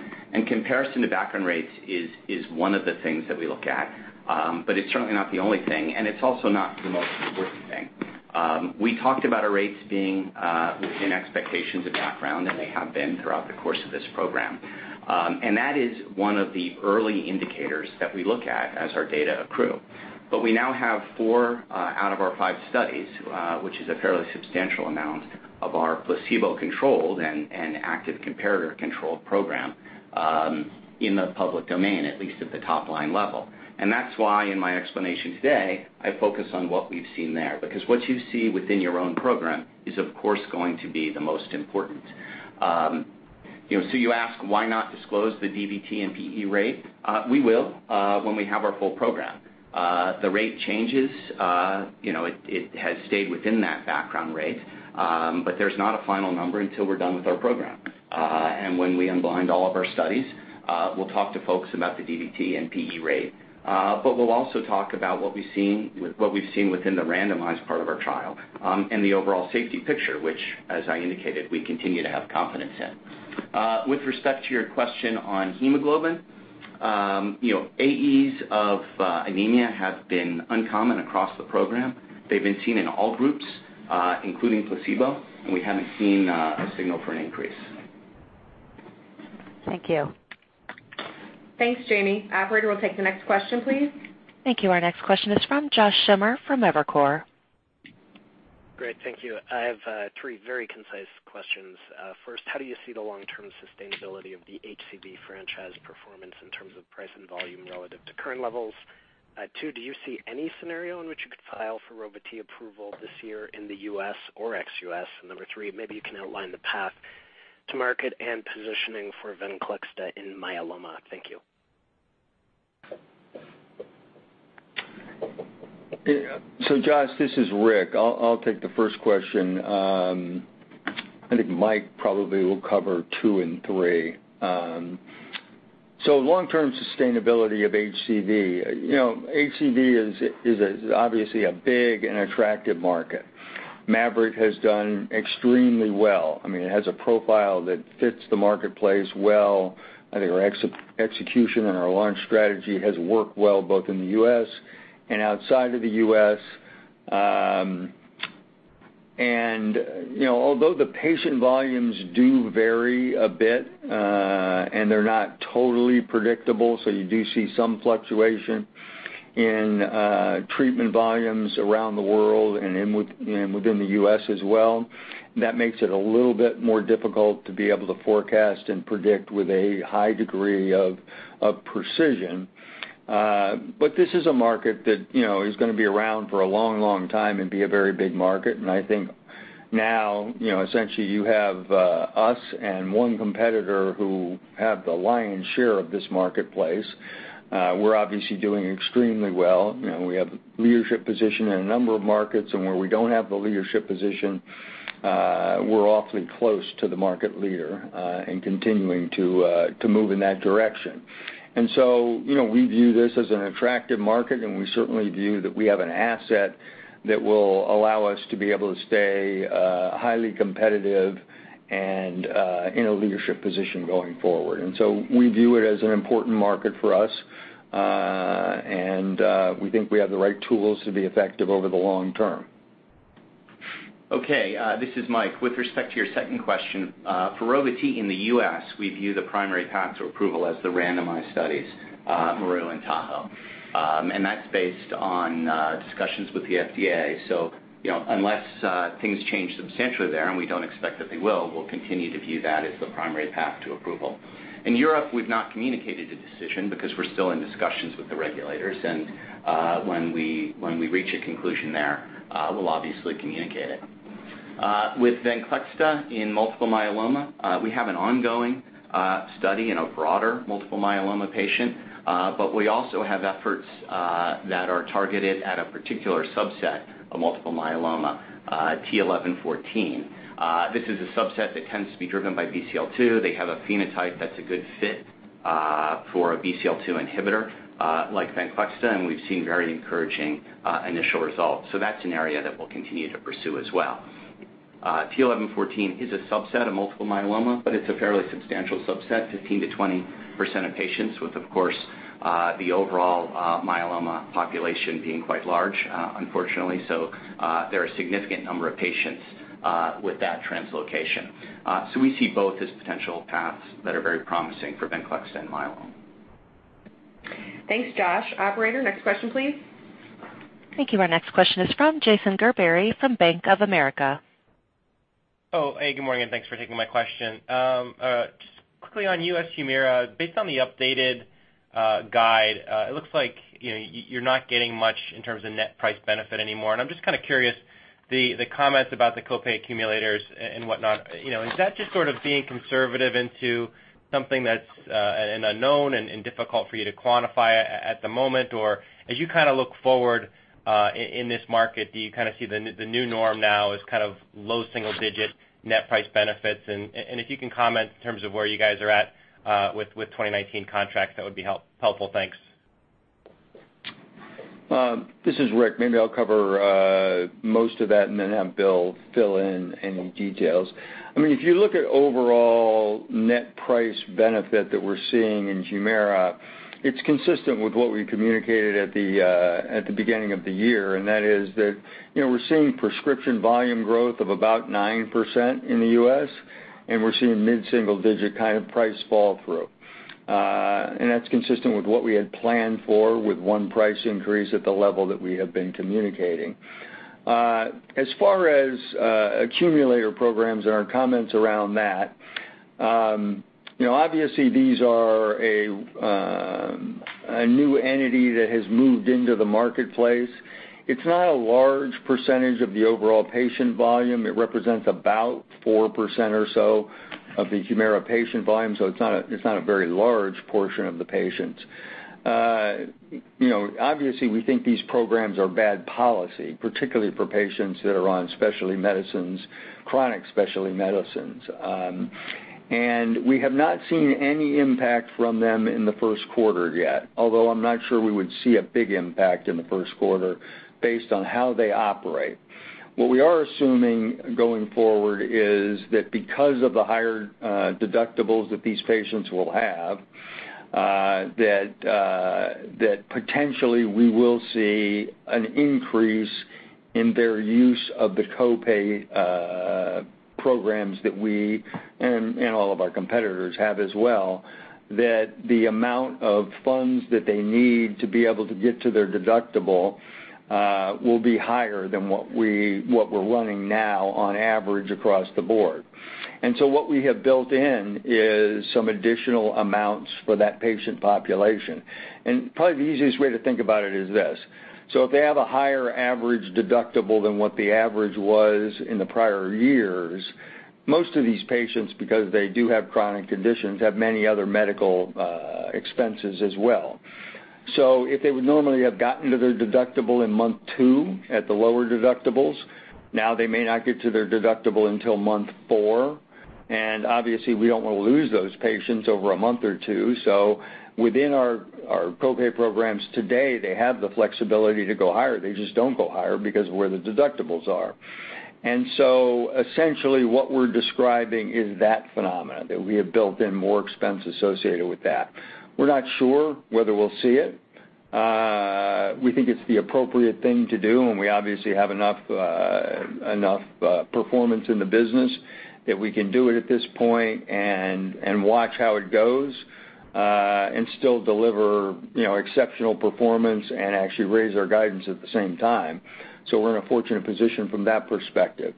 S4: Comparison to background rates is one of the things that we look at, but it's certainly not the only thing, and it's also not the most important thing. We talked about our rates being within expectations of background, and they have been throughout the course of this program. That is one of the early indicators that we look at as our data accrue. But we now have 4 out of our 5 studies, which is a fairly substantial amount of our placebo-controlled and active comparator-controlled program, in the public domain, at least at the top-line level. That's why in my explanation today, I focus on what we've seen there, because what you see within your own program is, of course, going to be the most important. So you ask, why not disclose the DVT and PE rate? We will, when we have our full program. The rate changes, it has stayed within that background rate, but there's not a final number until we're done with our program. When we unblind all of our studies, we'll talk to folks about the DVT and PE rate. But we'll also talk about what we've seen within the randomized part of our trial, and the overall safety picture, which, as I indicated, we continue to have confidence in. With respect to your question on hemoglobin, AEs of anemia have been uncommon across the program. They've been seen in all groups, including placebo. We haven't seen a signal for an increase.
S6: Thank you.
S2: Thanks, Jami. Operator, we'll take the next question, please.
S1: Thank you. Our next question is from Josh Schimmer from Evercore.
S7: Great. Thank you. I have three very concise questions. First, how do you see the long-term sustainability of the HCV franchise performance in terms of price and volume relative to current levels? Two, do you see any scenario in which you could file for Rova-T approval this year in the U.S. or ex-U.S.? Number three, maybe you can outline the path to market and positioning for Venclexta in myeloma. Thank you.
S3: Josh, this is Rick. I'll take the first question. I think Mike probably will cover two and three. Long-term sustainability of HCV. HCV is obviously a big and attractive market. MAVYRET has done extremely well. It has a profile that fits the marketplace well. I think our execution and our launch strategy has worked well both in the U.S. and outside of the U.S. Although the patient volumes do vary a bit, and they're not totally predictable, you do see some fluctuation in treatment volumes around the world and within the U.S. as well. That makes it a little bit more difficult to be able to forecast and predict with a high degree of precision. This is a market that is going to be around for a long, long time and be a very big market. I think now, essentially you have us and one competitor who have the lion's share of this marketplace. We're obviously doing extremely well. We have leadership position in a number of markets, and where we don't have the leadership position, we're awfully close to the market leader, and continuing to move in that direction. We view this as an attractive market, and we certainly view that we have an asset that will allow us to be able to stay highly competitive and in a leadership position going forward. We view it as an important market for us. We think we have the right tools to be effective over the long term.
S4: Okay. This is Mike. With respect to your second question, for Rova-T in the U.S., we view the primary path to approval as the randomized studies, MERU and Tahoe. That's based on discussions with the FDA. Unless things change substantially there, and we don't expect that they will, we'll continue to view that as the primary path to approval. In Europe, we've not communicated a decision, because we're still in discussions with the regulators. When we reach a conclusion there, we'll obviously communicate it. With Venclexta in multiple myeloma, we have an ongoing study in a broader multiple myeloma patient, but we also have efforts that are targeted at a particular subset of multiple myeloma, t(11;14). This is a subset that tends to be driven by BCL2. They have a phenotype that's a good fit for a BCL2 inhibitor like VENCLEXTA, and we've seen very encouraging initial results. That's an area that we'll continue to pursue as well. t(11;14) is a subset of multiple myeloma, but it's a fairly substantial subset, 15%-20% of patients with, of course, the overall myeloma population being quite large, unfortunately. There are a significant number of patients with that translocation. We see both as potential paths that are very promising for VENCLEXTA and myeloma.
S2: Thanks, Josh. Operator, next question, please.
S1: Thank you. Our next question is from Jason Gerberry from Bank of America.
S8: Oh, hey, good morning, and thanks for taking my question. Just quickly on U.S. HUMIRA, based on the updated guide, it looks like you're not getting much in terms of net price benefit anymore, and I'm just kind of curious, the comments about the co-pay accumulators and whatnot, is that just sort of being conservative into something that's an unknown and difficult for you to quantify at the moment? As you kind of look forward in this market, do you kind of see the new norm now as kind of low single-digit net price benefits? If you can comment in terms of where you guys are at with 2019 contracts, that would be helpful. Thanks.
S3: This is Rick. Maybe I'll cover most of that and then have Bill fill in any details. If you look at overall net price benefit that we're seeing in HUMIRA, it's consistent with what we communicated at the beginning of the year, and that is that we're seeing prescription volume growth of about 9% in the U.S., and we're seeing mid-single digit kind of price fall through. That's consistent with what we had planned for with one price increase at the level that we have been communicating. As far as accumulator programs and our comments around that, obviously these are a new entity that has moved into the marketplace. It's not a large percentage of the overall patient volume. It represents about 4% or so of the HUMIRA patient volume, so it's not a very large portion of the patients. Obviously, we think these programs are bad policy, particularly for patients that are on specialty medicines, chronic specialty medicines. We have not seen any impact from them in the first quarter yet, although I'm not sure we would see a big impact in the first quarter based on how they operate. What we are assuming going forward is that because of the higher deductibles that these patients will have, that potentially we will see an increase in their use of the co-pay programs that we, and all of our competitors have as well, that the amount of funds that they need to be able to get to their deductible will be higher than what we're running now on average across the board. What we have built in is some additional amounts for that patient population. Probably the easiest way to think about it is this. If they have a higher average deductible than what the average was in the prior years, most of these patients, because they do have chronic conditions, have many other medical expenses as well. If they would normally have gotten to their deductible in month two at the lower deductibles, now they may not get to their deductible until month four, and obviously we don't want to lose those patients over a month or two. Within our co-pay programs today, they have the flexibility to go higher. They just don't go higher because of where the deductibles are. Essentially what we're describing is that phenomena, that we have built in more expense associated with that. We're not sure whether we'll see it. We think it's the appropriate thing to do, and we obviously have enough performance in the business that we can do it at this point and watch how it goes, and still deliver exceptional performance and actually raise our guidance at the same time. We're in a fortunate position from that perspective.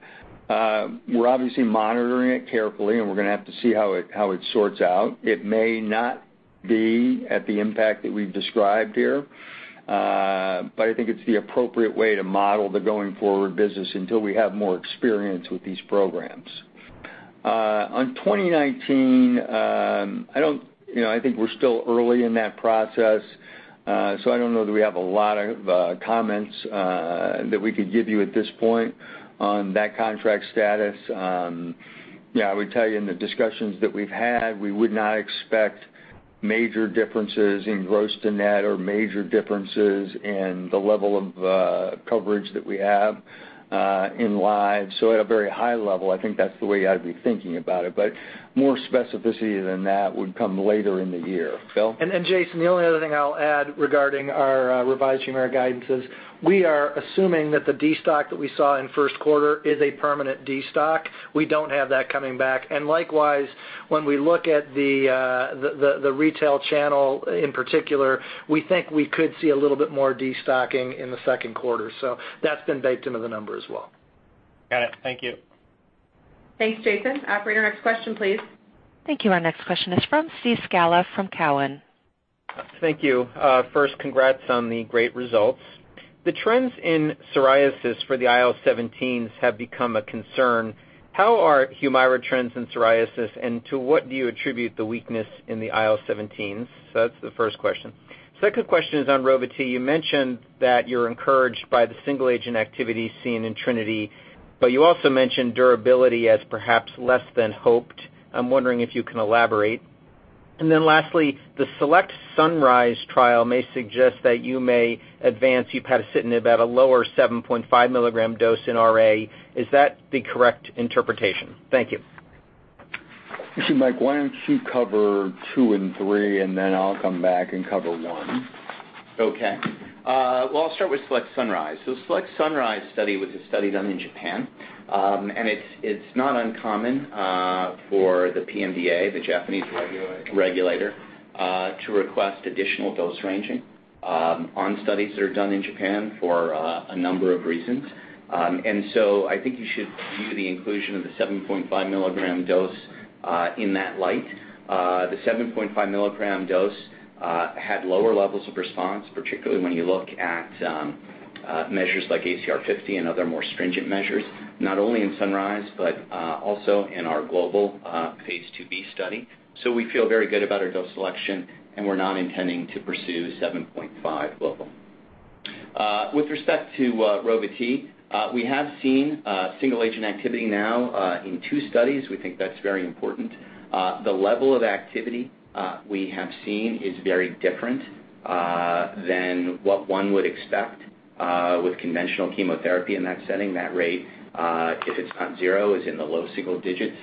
S3: We're obviously monitoring it carefully, and we're going to have to see how it sorts out. It may not be at the impact that we've described here. I think it's the appropriate way to model the going forward business until we have more experience with these programs. On 2019, I think we're still early in that process, so I don't know that we have a lot of comments that we could give you at this point on that contract status. I would tell you in the discussions that we've had, we would not expect major differences in gross to net or major differences in the level of coverage that we have in live. At a very high level, I think that's the way I'd be thinking about it, but more specificity than that would come later in the year. Bill?
S5: Jason, the only other thing I'll add regarding our revised HUMIRA guidances, we are assuming that the destock that we saw in first quarter is a permanent destock. We don't have that coming back. Likewise, when we look at the retail channel in particular, we think we could see a little bit more destocking in the second quarter. That's been baked into the number as well.
S8: Got it. Thank you.
S2: Thanks, Jason. Operator, next question, please.
S1: Thank you. Our next question is from Steve Scala from Cowen.
S9: Thank you. First, congrats on the great results. The trends in psoriasis for the IL-17s have become a concern. How are HUMIRA trends in psoriasis, and to what do you attribute the weakness in the IL-17s? That's the first question. Second question is on Rova-T. You mentioned that you're encouraged by the single-agent activity seen in TRINITY, but you also mentioned durability as perhaps less than hoped. I'm wondering if you can elaborate. Lastly, the SELECT-SUNRISE trial may suggest that you may advance upadacitinib at a lower 7.5 milligram dose in RA. Is that the correct interpretation? Thank you.
S3: Actually, Mike, why don't you cover two and three, and then I'll come back and cover one.
S4: Okay. Well, I'll start with SELECT-SUNRISE. SELECT-SUNRISE study was a study done in Japan. It's not uncommon for the PMDA, the Japanese regulator, to request additional dose ranging on studies that are done in Japan for a number of reasons. I think you should view the inclusion of the 7.5 milligram dose in that light. The 7.5 milligram dose had lower levels of response, particularly when you look at measures like ACR 50 and other more stringent measures, not only in SUNRISE, but also in our global phase II-B study. We feel very good about our dose selection, and we're not intending to pursue 7.5 global. With respect to Rova-T, we have seen single-agent activity now in two studies. We think that's very important. The level of activity we have seen is very different than what one would expect with conventional chemotherapy in that setting. That rate, if it's not zero, is in the low single digits.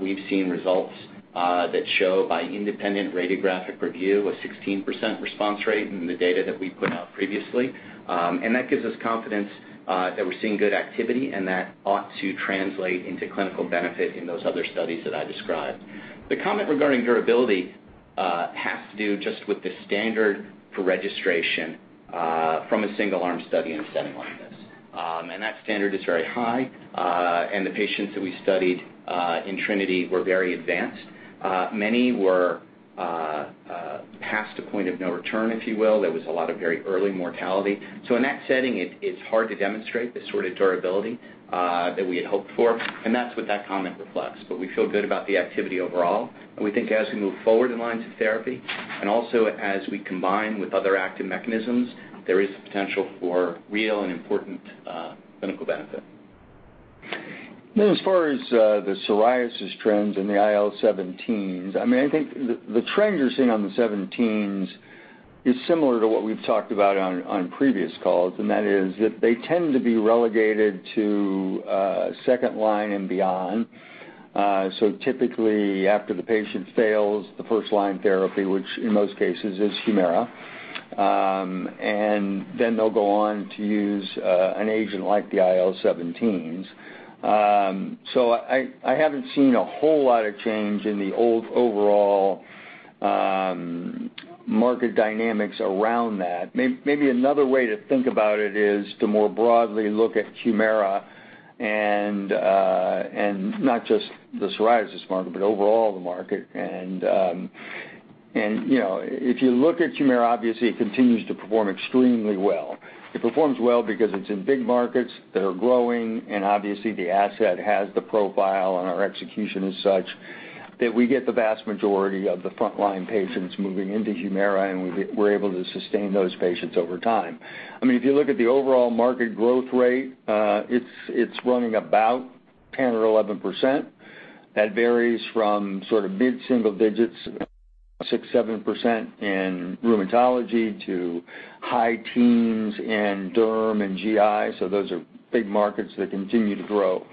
S4: We've seen results that show by independent radiographic review, a 16% response rate in the data that we put out previously. That gives us confidence that we're seeing good activity, and that ought to translate into clinical benefit in those other studies that I described. The comment regarding durability has to do just with the standard for registration from a single-arm study in a setting like this. That standard is very high. The patients that we studied in TRINITY were very advanced. Many were past a point of no return, if you will. There was a lot of very early mortality. In that setting, it's hard to demonstrate the sort of durability that we had hoped for, and that's what that comment reflects. We feel good about the activity overall, and we think as we move forward in lines of therapy, and also as we combine with other active mechanisms, there is the potential for real and important clinical benefit.
S3: As far as the psoriasis trends in the IL-17s, I think the trend you're seeing on the 17s is similar to what we've talked about on previous calls, and that is that they tend to be relegated to second line and beyond. Typically after the patient fails the first-line therapy, which in most cases is HUMIRA, and then they'll go on to use an agent like the IL-17s. I haven't seen a whole lot of change in the old overall market dynamics around that. Maybe another way to think about it is to more broadly look at HUMIRA and not just the psoriasis market, but overall the market. If you look at HUMIRA, obviously, it continues to perform extremely well. It performs well because it's in big markets that are growing, and obviously the asset has the profile and our execution is such that we get the vast majority of the frontline patients moving into HUMIRA, and we're able to sustain those patients over time. If you look at the overall market growth rate, it's running about 10%-11%. That varies from mid-single digits, 6%, 7% in rheumatology to high teens in derm and GI. Those are big markets that continue to grow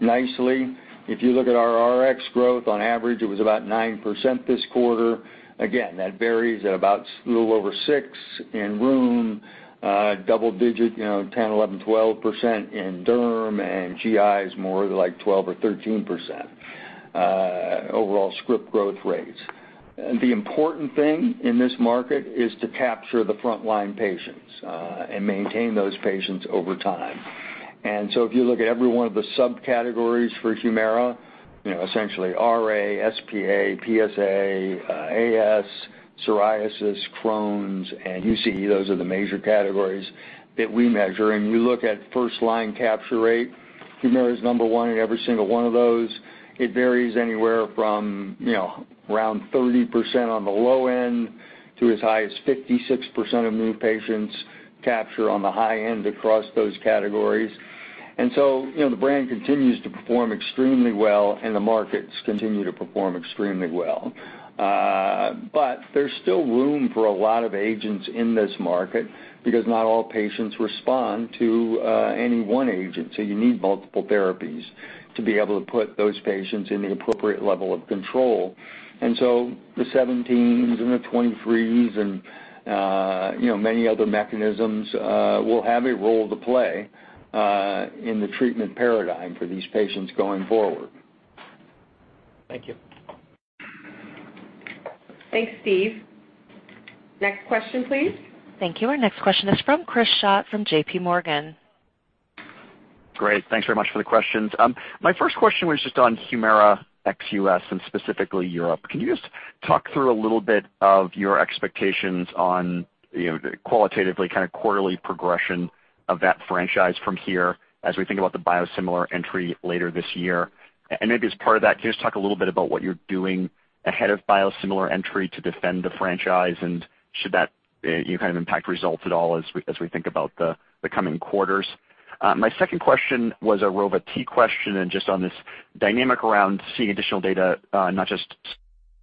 S3: nicely. If you look at our Rx growth, on average, it was about 9% this quarter. Again, that varies at about a little over six in rheum, double digit, 10%, 11%, 12% in derm, and GI is more like 12%-13% overall script growth rates. The important thing in this market is to capture the frontline patients and maintain those patients over time. If you look at every one of the subcategories for HUMIRA, essentially RA, SPA, PSA, AS psoriasis, Crohn's, and UC. Those are the major categories that we measure. You look at first-line capture rate, HUMIRA's number one in every single one of those. It varies anywhere from around 30% on the low end to as high as 56% of new patients capture on the high end across those categories. The brand continues to perform extremely well, and the markets continue to perform extremely well. There's still room for a lot of agents in this market because not all patients respond to any one agent. You need multiple therapies to be able to put those patients in the appropriate level of control. The 17s and the 23s and many other mechanisms will have a role to play in the treatment paradigm for these patients going forward.
S9: Thank you.
S2: Thanks, Steve. Next question, please.
S1: Thank you. Our next question is from Chris Schott from JP Morgan.
S10: Great. Thanks very much for the questions. My first question was just on HUMIRA ex-U.S., and specifically Europe. Can you just talk through a little bit of your expectations on the qualitatively kind of quarterly progression of that franchise from here as we think about the biosimilar entry later this year? Maybe as part of that, can you just talk a little bit about what you're doing ahead of biosimilar entry to defend the franchise? Should that kind of impact results at all as we think about the coming quarters? My second question was a Rova-T question, and just on this dynamic around seeing additional data, not just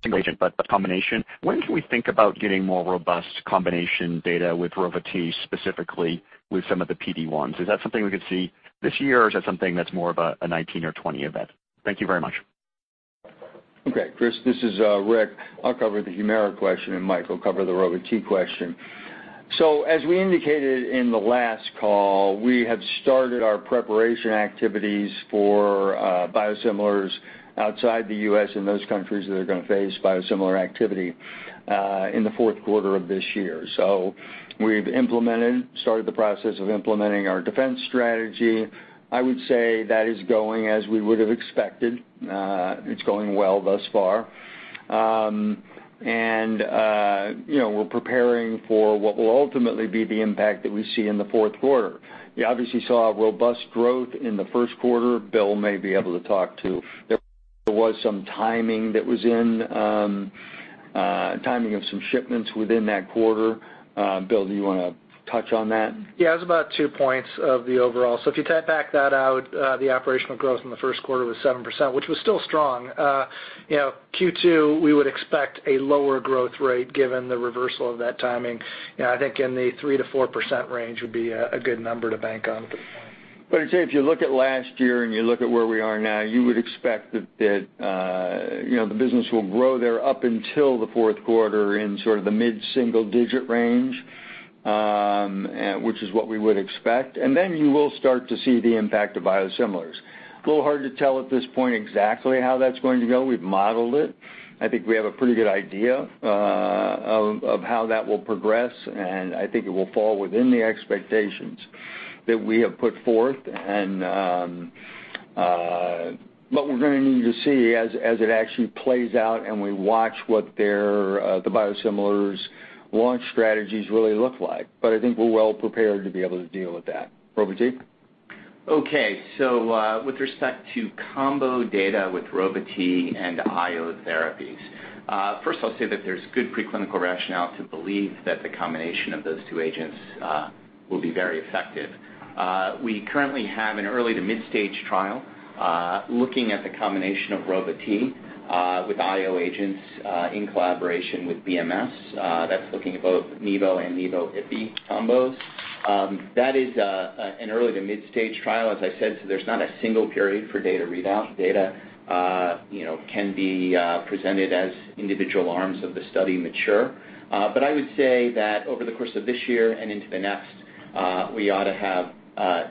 S10: single agent, but the combination. When can we think about getting more robust combination data with Rova-T, specifically with some of the PD-1s? Is that something we could see this year, or is that something that's more of a 2019 or 2020 event? Thank you very much.
S3: Okay, Chris, this is Rick. I'll cover the HUMIRA question, and Mike will cover the Rova-T question. As we indicated in the last call, we have started our preparation activities for biosimilars outside the U.S. and those countries that are going to face biosimilar activity in the fourth quarter of this year. We've started the process of implementing our defense strategy. I would say that is going as we would've expected. It's going well thus far. We're preparing for what will ultimately be the impact that we see in the fourth quarter. You obviously saw robust growth in the first quarter. Bill may be able to talk to, there was some timing of some shipments within that quarter. Bill, do you want to touch on that?
S5: Yeah, it was about 2 points of the overall. If you back that out, the operational growth in the first quarter was 7%, which was still strong. Q2, we would expect a lower growth rate given the reversal of that timing. I think in the 3%-4% range would be a good number to bank on.
S3: I'd say if you look at last year and you look at where we are now, you would expect that the business will grow there up until the fourth quarter in sort of the mid-single digit range, which is what we would expect. Then you will start to see the impact of biosimilars. It is a little hard to tell at this point exactly how that's going to go. We've modeled it. I think we have a pretty good idea of how that will progress, and I think it will fall within the expectations that we have put forth. What we're going to need to see as it actually plays out and we watch what the biosimilars' launch strategies really look like. I think we're well prepared to be able to deal with that. Rova-T?
S4: Okay. With respect to combo data with Rova-T and IO therapies, first I'll say that there's good preclinical rationale to believe that the combination of those 2 agents will be very effective. We currently have an early to mid-stage trial looking at the combination of Rova-T with IO agents, in collaboration with BMS. That's looking at both nivo and nivo/ipi combos. That is an early to mid-stage trial, as I said, so there's not a single period for data readout. Data can be presented as individual arms of the study mature. I would say that over the course of this year and into the next, we ought to have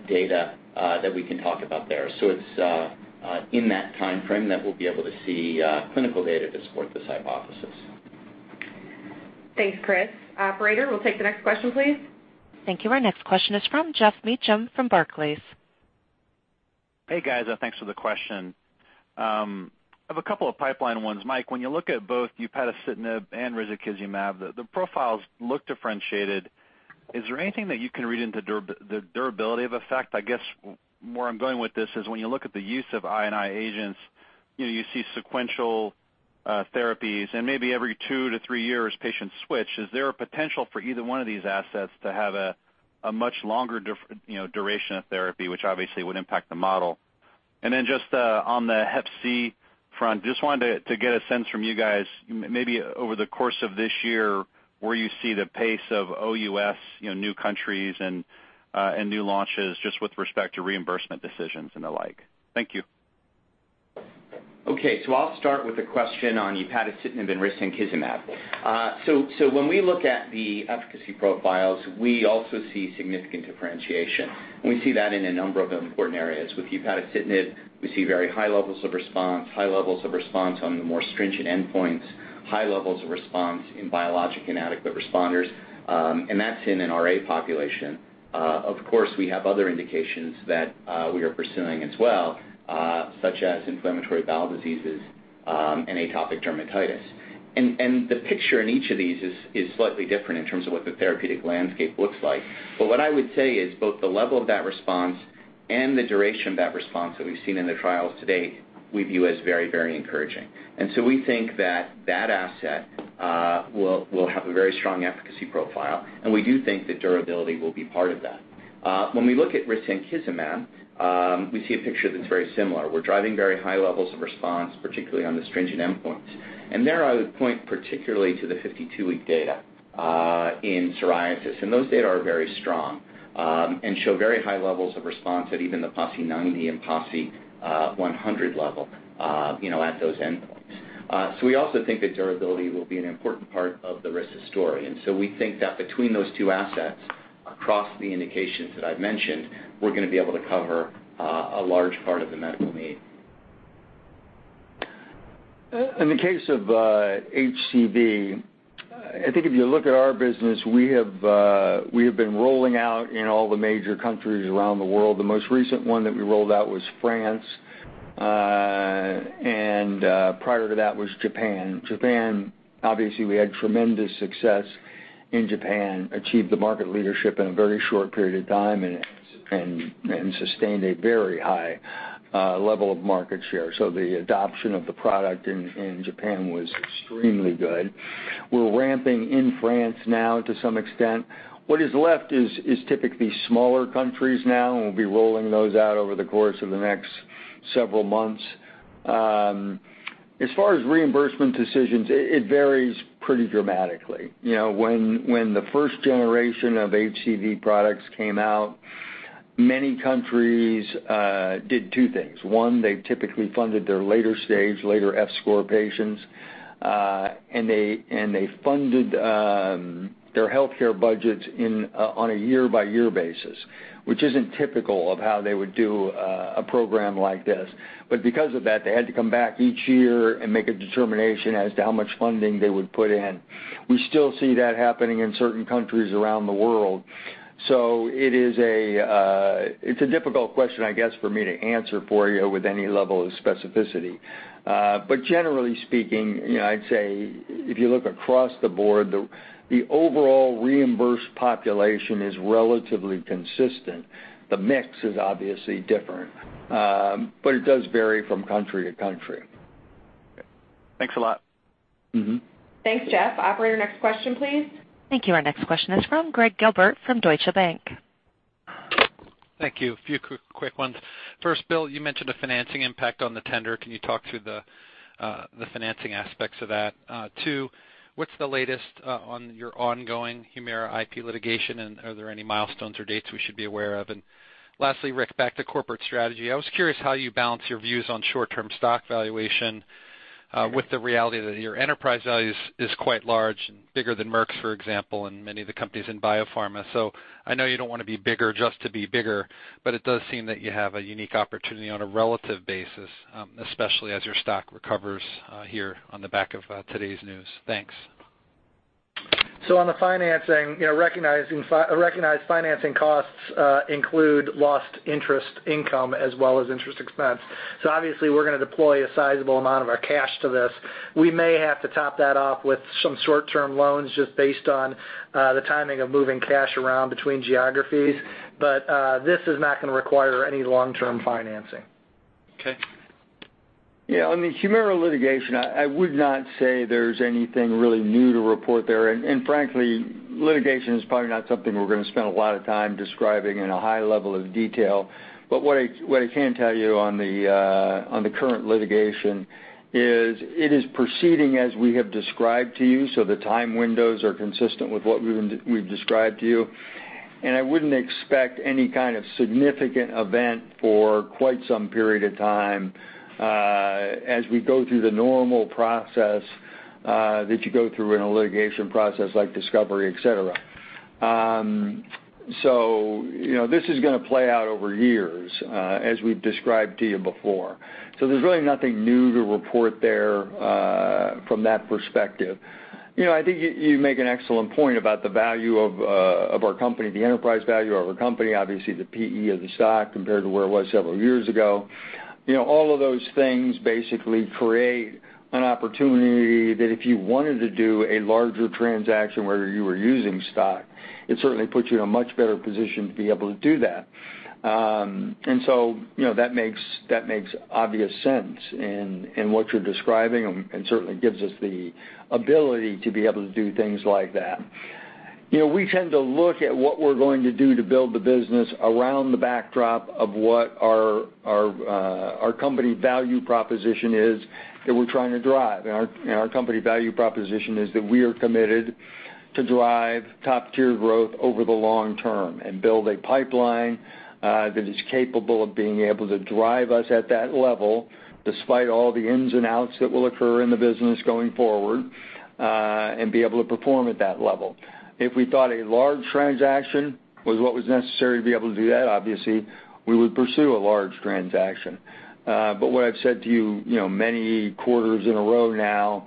S4: data that we can talk about there. It's in that timeframe that we'll be able to see clinical data to support this hypothesis.
S2: Thanks, Chris. Operator, we'll take the next question, please.
S1: Thank you. Our next question is from Jeff Meacham from Barclays.
S11: Hey, guys. Thanks for the question. I have a couple of pipeline ones. Mike, when you look at both upadacitinib and risankizumab, the profiles look differentiated. Is there anything that you can read into the durability of effect? I guess where I'm going with this is when you look at the use of I&I agents, you see sequential therapies and maybe every two to three years patients switch. Is there a potential for either one of these assets to have a much longer duration of therapy, which obviously would impact the model? Just on the hep C front, just wanted to get a sense from you guys, maybe over the course of this year, where you see the pace of OUS, new countries, and new launches just with respect to reimbursement decisions and the like. Thank you.
S4: Okay, I'll start with the question on upadacitinib and risankizumab. When we look at the efficacy profiles, we also see significant differentiation. We see that in a number of important areas. With upadacitinib, we see very high levels of response, high levels of response on the more stringent endpoints, high levels of response in biologic inadequate responders, and that's in an RA population. Of course, we have other indications that we are pursuing as well, such as inflammatory bowel diseases, and atopic dermatitis. The picture in each of these is slightly different in terms of what the therapeutic landscape looks like. What I would say is both the level of that response and the duration of that response that we've seen in the trials to date, we view as very encouraging. We think that that asset will have a very strong efficacy profile, and we do think that durability will be part of that. When we look at risankizumab, we see a picture that's very similar. We're driving very high levels of response, particularly on the stringent endpoints. There I would point particularly to the 52-week data in psoriasis. Those data are very strong and show very high levels of response at even the PASI 90 and PASI 100 level, at those endpoints. We also think that durability will be an important part of the risa story. We think that between those two assets, across the indications that I've mentioned, we're going to be able to cover a large part of the medical need.
S3: In the case of HCV, I think if you look at our business, we have been rolling out in all the major countries around the world. The most recent one that we rolled out was France. Prior to that was Japan. Japan, obviously, we had tremendous success in Japan, achieved the market leadership in a very short period of time, and sustained a very high level of market share. The adoption of the product in Japan was extremely good. We're ramping in France now to some extent. What is left is typically smaller countries now, and we'll be rolling those out over the course of the next several months. As far as reimbursement decisions, it varies pretty dramatically. When the first generation of HCV products came out, many countries did two things. One, they typically funded their later stage, later F score patients. They funded their healthcare budgets on a year-by-year basis, which isn't typical of how they would do a program like this. Because of that, they had to come back each year and make a determination as to how much funding they would put in. We still see that happening in certain countries around the world. It's a difficult question, I guess, for me to answer for you with any level of specificity. Generally speaking, I'd say if you look across the board, the overall reimbursed population is relatively consistent. The mix is obviously different. It does vary from country to country.
S11: Thanks a lot.
S2: Thanks, Jeff. Operator, next question, please.
S1: Thank you. Our next question is from Gregg Gilbert from Deutsche Bank.
S12: Thank you. A few quick ones. First, Bill Chase, you mentioned a financing impact on the tender. Can you talk through the financing aspects of that? Two, what's the latest on your ongoing HUMIRA IP litigation, and are there any milestones or dates we should be aware of? Lastly, Rick Gonzalez, back to corporate strategy. I was curious how you balance your views on short-term stock valuation with the reality that your enterprise value is quite large, bigger than Merck's, for example, and many of the companies in biopharma. I know you don't want to be bigger just to be bigger, but it does seem that you have a unique opportunity on a relative basis, especially as your stock recovers here on the back of today's news. Thanks.
S5: On the financing, recognized financing costs include lost interest income as well as interest expense. Obviously, we're going to deploy a sizable amount of our cash to this. We may have to top that up with some short-term loans just based on the timing of moving cash around between geographies. This is not going to require any long-term financing.
S12: Okay.
S3: Yeah, on the HUMIRA litigation, I would not say there's anything really new to report there. Frankly, litigation is probably not something we're going to spend a lot of time describing in a high level of detail. What I can tell you on the current litigation is it is proceeding as we have described to you, so the time windows are consistent with what we've described to you. I wouldn't expect any kind of significant event for quite some period of time as we go through the normal process that you go through in a litigation process like discovery, et cetera. This is going to play out over years, as we've described to you before. There's really nothing new to report there from that perspective. I think you make an excellent point about the value of our company, the enterprise value of our company, obviously the PE of the stock compared to where it was several years ago. All of those things basically create an opportunity that if you wanted to do a larger transaction where you were using stock, it certainly puts you in a much better position to be able to do that. So that makes obvious sense in what you're describing and certainly gives us the ability to be able to do things like that. We tend to look at what we're going to do to build the business around the backdrop of what our company value proposition is that we're trying to drive. Our company value proposition is that we are committed to drive top-tier growth over the long term and build a pipeline that is capable of being able to drive us at that level, despite all the ins and outs that will occur in the business going forward, and be able to perform at that level. If we thought a large transaction was what was necessary to be able to do that, obviously, we would pursue a large transaction. What I've said to you many quarters in a row now,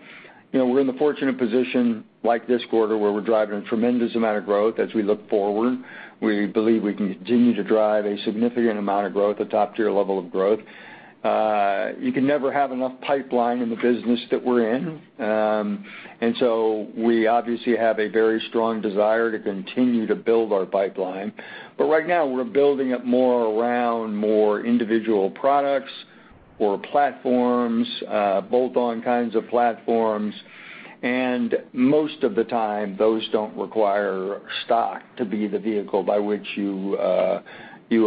S3: we're in the fortunate position like this quarter where we're driving a tremendous amount of growth as we look forward. We believe we can continue to drive a significant amount of growth, a top-tier level of growth. You can never have enough pipeline in the business that we're in. We obviously have a very strong desire to continue to build our pipeline. Right now we're building up more around more individual products or platforms, bolt-on kinds of platforms. Most of the time, those don't require stock to be the vehicle by which you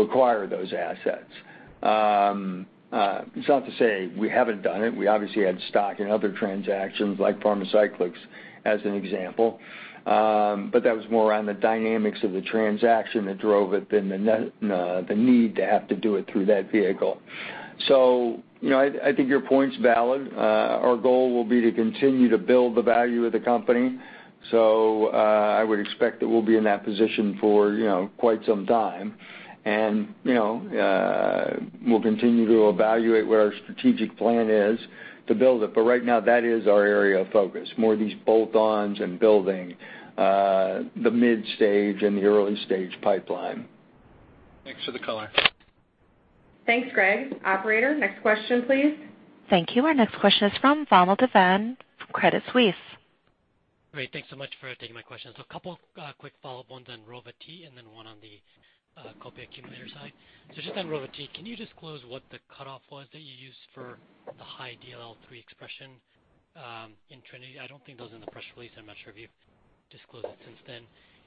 S3: acquire those assets. It's not to say we haven't done it. We obviously had stock in other transactions like Pharmacyclics as an example. That was more on the dynamics of the transaction that drove it than the need to have to do it through that vehicle. I think your point's valid. Our goal will be to continue to build the value of the company. I would expect that we'll be in that position for quite some time. We'll continue to evaluate what our strategic plan is to build it. Right now that is our area of focus, more of these bolt-ons and building the mid stage and the early stage pipeline.
S12: Thanks for the color.
S2: Thanks, Gregg. Operator, next question, please.
S1: Thank you. Our next question is from Vamil Divan from Credit Suisse.
S13: Great. Thanks so much for taking my questions. A couple quick follow-up ones on Rova-T, and then one on the copay accumulator side. Just on Rova-T, can you disclose what the cutoff was that you used for the high DLL3 expression in TRINITY? I don't think that was in the press release. I'm not sure if you've disclosed it since then.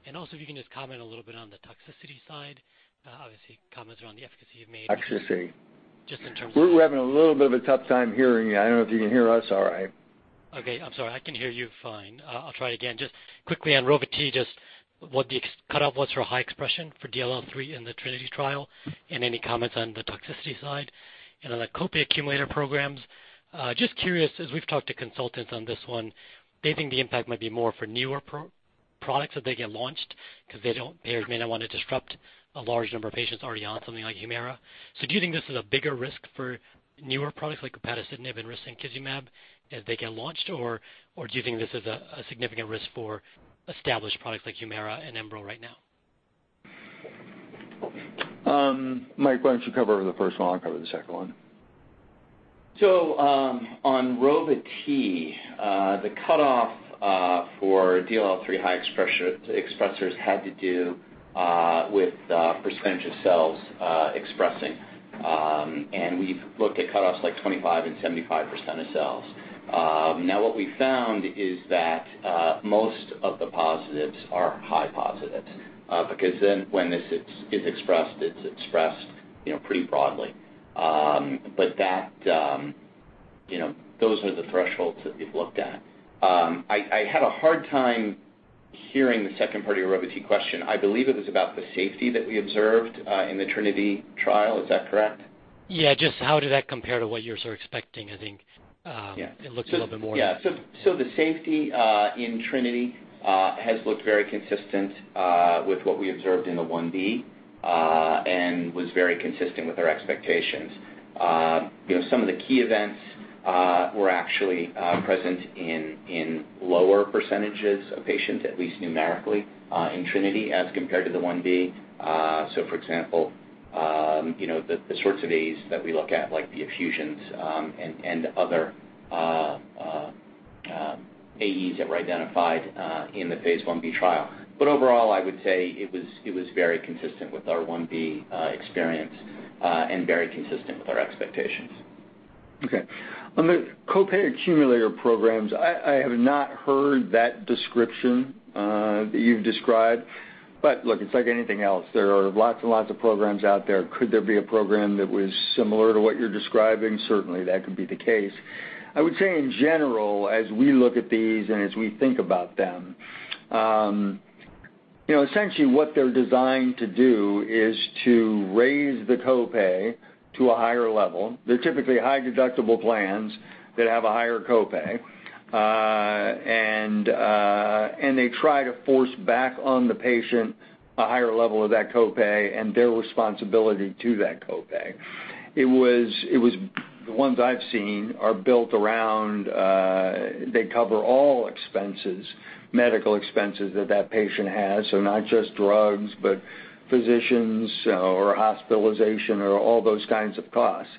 S13: And also, if you can just comment a little bit on the toxicity side.
S3: Toxicity
S13: just in terms of-
S3: We're having a little bit of a tough time hearing you. I don't know if you can hear us all right.
S13: Okay. I'm sorry. I can hear you fine. I'll try again. Just quickly on Rova-T, just what the cutoff was for high expression for DLL3 in the TRINITY trial, and any comments on the toxicity side? On the copay accumulator programs, just curious, as we've talked to consultants on this one, they think the impact might be more for newer products as they get launched because payers may not want to disrupt a large number of patients already on something like HUMIRA. Do you think this is a bigger risk for newer products like upadacitinib and risankizumab as they get launched? Do you think this is a significant risk for established products like HUMIRA and Enbrel right now?
S3: Mike, why don't you cover the first one? I'll cover the second one.
S4: On Rova-T, the cutoff for DLL3 high expressors had to do with the percentage of cells expressing. We've looked at cutoffs like 25% and 75% of cells. What we found is that most of the positives are high positives, because then when this is expressed, it's expressed pretty broadly. Those are the thresholds that we've looked at. I had a hard time hearing the second part of your Rova-T question. I believe it was about the safety that we observed in the TRINITY trial. Is that correct?
S13: Yeah. Just how did that compare to what you're sort of expecting? I think
S4: Yeah
S13: it looks a little bit more
S4: Yeah. The safety in TRINITY has looked very consistent with what we observed in the phase I-B, and was very consistent with our expectations. Some of the key events were actually present in lower percentages of patients, at least numerically in TRINITY as compared to the phase I-B. For example, the sorts of AEs that we look at, like the effusions, and other AEs that were identified in the phase I-B trial. Overall, I would say it was very consistent with our phase I-B experience, and very consistent with our expectations.
S3: Okay. On the copay accumulator programs, I have not heard that description that you've described. Look, it's like anything else. There are lots and lots of programs out there. Could there be a program that was similar to what you're describing? Certainly, that could be the case. I would say in general, as we look at these and as we think about them, essentially what they're designed to do is to raise the copay to a higher level. They're typically high-deductible plans that have a higher copay. They try to force back on the patient a higher level of that copay and their responsibility to that copay. The ones I've seen are built around, they cover all expenses, medical expenses that that patient has. Not just drugs, but physicians or hospitalization or all those kinds of costs.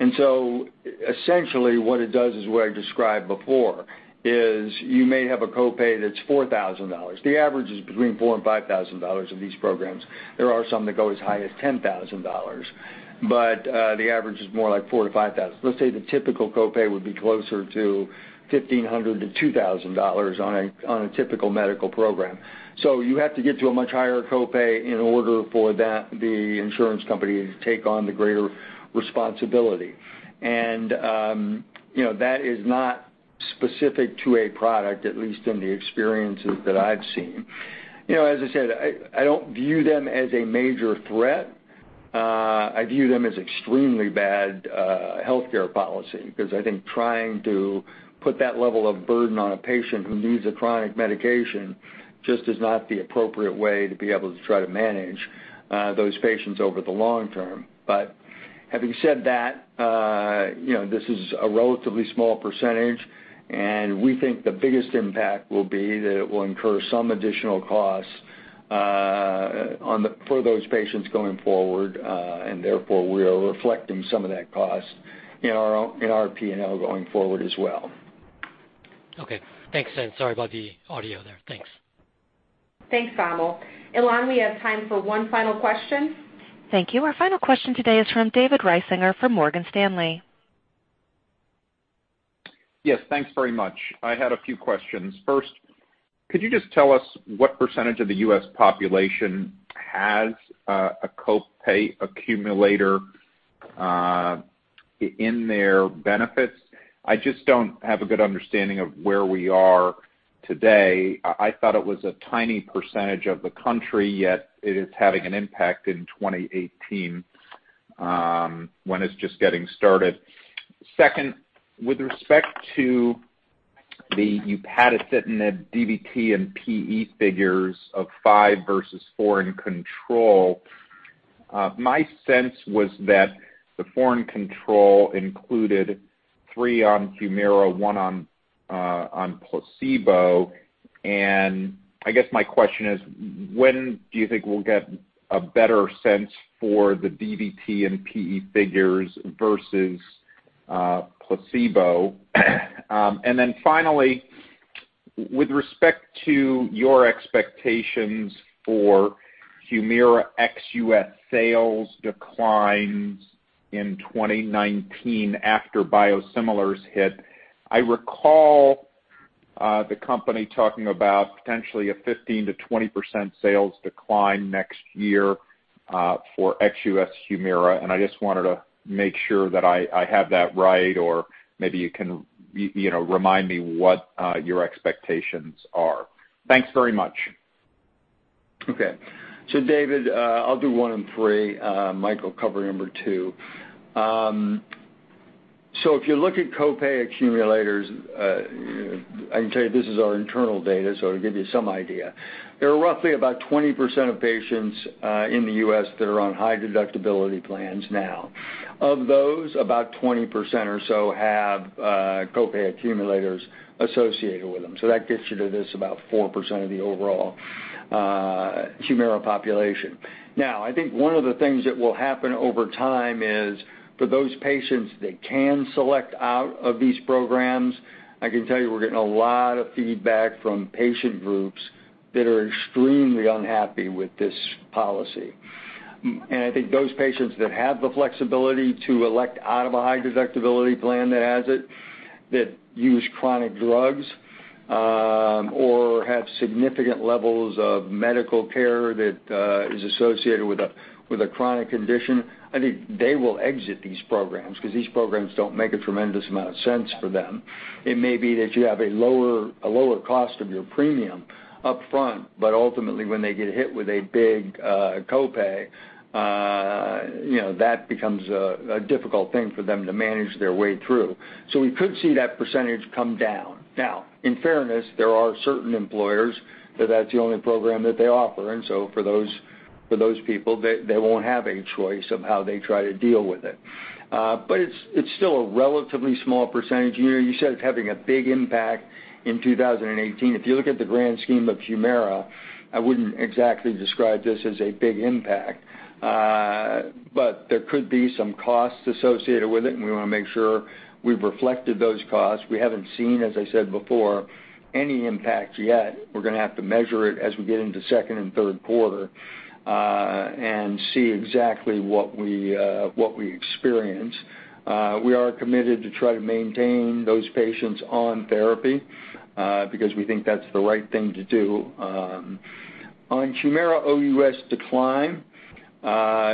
S3: Essentially what it does is what I described before, is you may have a copay that's $4,000. The average is between $4,000 and $5,000 of these programs. There are some that go as high as $10,000. The average is more like $4,000 to $5,000. Let's say the typical copay would be closer to $1,500 to $2,000 on a typical medical program. You have to get to a much higher copay in order for the insurance company to take on the greater responsibility. That is not specific to a product, at least in the experiences that I've seen. As I said, I don't view them as a major threat. I view them as extremely bad healthcare policy, because I think trying to put that level of burden on a patient who needs a chronic medication just is not the appropriate way to be able to try to manage those patients over the long term. Having said that, this is a relatively small percentage, and we think the biggest impact will be that it will incur some additional costs for those patients going forward, and therefore, we are reflecting some of that cost in our P&L going forward as well.
S13: Okay. Thanks, sorry about the audio there. Thanks.
S2: Thanks, Vamil. Ilan, we have time for one final question.
S1: Thank you. Our final question today is from David Risinger from Morgan Stanley.
S14: Yes, thanks very much. I had a few questions. First, could you just tell us what percentage of the U.S. population has a copay accumulator in their benefits? I just don't have a good understanding of where we are today. I thought it was a tiny percentage of the country, yet it is having an impact in 2018, when it's just getting started. Second, with respect to the upadacitinib DVT and PE figures of five versus four in control, my sense was that for the control included three on HUMIRA, one on placebo, my question is, when do you think we'll get a better sense for the DVT and PE figures versus placebo? Finally, with respect to your expectations for HUMIRA ex-U.S. sales declines in 2019 after biosimilars hit. I recall the company talking about potentially a 15%-20% sales decline next year for ex-U.S. HUMIRA. I just wanted to make sure that I have that right, or maybe you can remind me what your expectations are. Thanks very much.
S3: David, I'll do one and three. Mike will cover number 2. If you look at copay accumulators, I can tell you, this is our internal data, so it'll give you some idea. There are roughly about 20% of patients in the U.S. that are on high deductibility plans now. Of those, about 20% or so have copay accumulators associated with them. That gets you to this about 4% of the overall HUMIRA population. I think one of the things that will happen over time is, for those patients that can select out of these programs, I can tell you we're getting a lot of feedback from patient groups that are extremely unhappy with this policy. I think those patients that have the flexibility to elect out of a high deductibility plan that has it, that use chronic drugs, or have significant levels of medical care that is associated with a chronic condition, I think they will exit these programs because these programs don't make a tremendous amount of sense for them. It may be that you have a lower cost of your premium upfront, but ultimately, when they get hit with a big copay, that becomes a difficult thing for them to manage their way through. We could see that percentage come down. In fairness, there are certain employers that that's the only program that they offer. For those people, they won't have a choice of how they try to deal with it. It's still a relatively small percentage. You said it's having a big impact in 2018. If you look at the grand scheme of HUMIRA, I wouldn't exactly describe this as a big impact. There could be some costs associated with it, and we want to make sure we've reflected those costs. We haven't seen, as I said before, any impact yet. We're going to have to measure it as we get into second and third quarter, and see exactly what we experience. We are committed to try to maintain those patients on therapy, because we think that's the right thing to do. On HUMIRA OUS decline,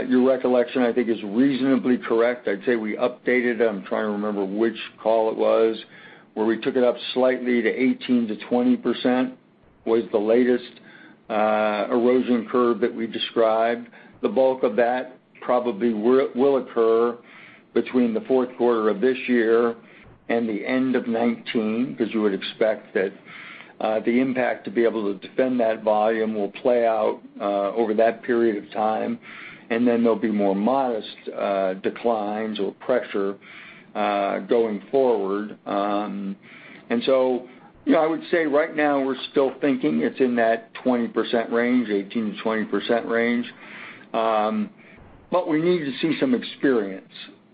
S3: your recollection, I think, is reasonably correct. I'd say we updated, I'm trying to remember which call it was, where we took it up slightly to 18%-20%, was the latest erosion curve that we described. The bulk of that probably will occur between the fourth quarter of this year and the end of 2019, because you would expect that the impact to be able to defend that volume will play out over that period of time, and then there'll be more modest declines or pressure going forward. I would say right now we're still thinking it's in that 20% range, 18%-20% range. We need to see some experience.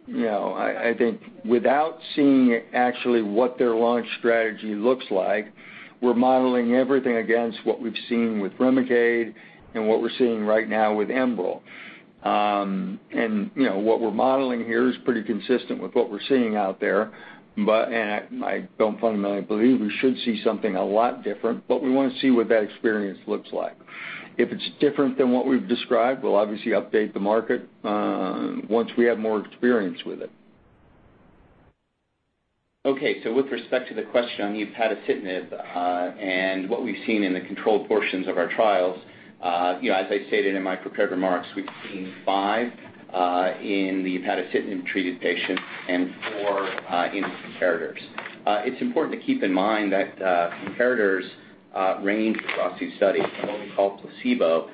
S3: I think without seeing actually what their launch strategy looks like, we're modeling everything against what we've seen with REMICADE and what we're seeing right now with Enbrel. What we're modeling here is pretty consistent with what we're seeing out there. I don't fundamentally believe we should see something a lot different, but we want to see what that experience looks like. If it's different than what we've described, we'll obviously update the market once we have more experience with it.
S4: With respect to the question on upadacitinib, and what we've seen in the controlled portions of our trials, as I stated in my prepared remarks, we've seen five in the upadacitinib-treated patients and four in the comparators. It's important to keep in mind that comparators range across these studies, and what we call placebo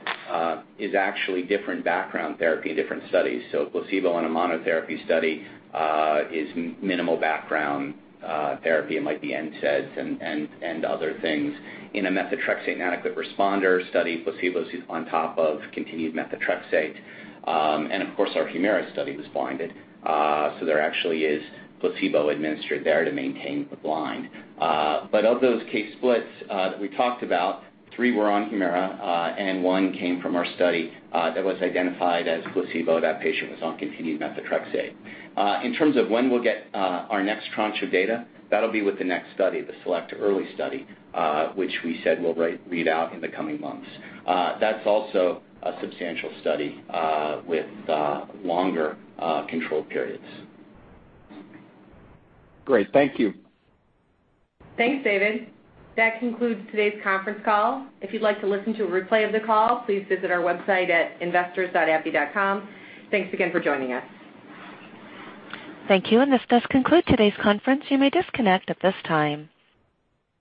S4: is actually different background therapy in different studies. Placebo in a monotherapy study is minimal background therapy. It might be NSAIDs and other things. In a methotrexate inadequate responder study, placebo's on top of continued methotrexate. Of course, our HUMIRA study was blinded, so there actually is placebo administered there to maintain the blind. Of those case splits that we talked about, three were on HUMIRA, and one came from our study that was identified as placebo. That patient was on continued methotrexate. In terms of when we'll get our next tranche of data, that'll be with the next study, the SELECT-EARLY study, which we said we'll read out in the coming months. That's also a substantial study with longer control periods.
S14: Great. Thank you.
S2: Thanks, David. That concludes today's conference call. If you'd like to listen to a replay of the call, please visit our website at investors.abbvie.com. Thanks again for joining us.
S1: Thank you. This does conclude today's conference. You may disconnect at this time.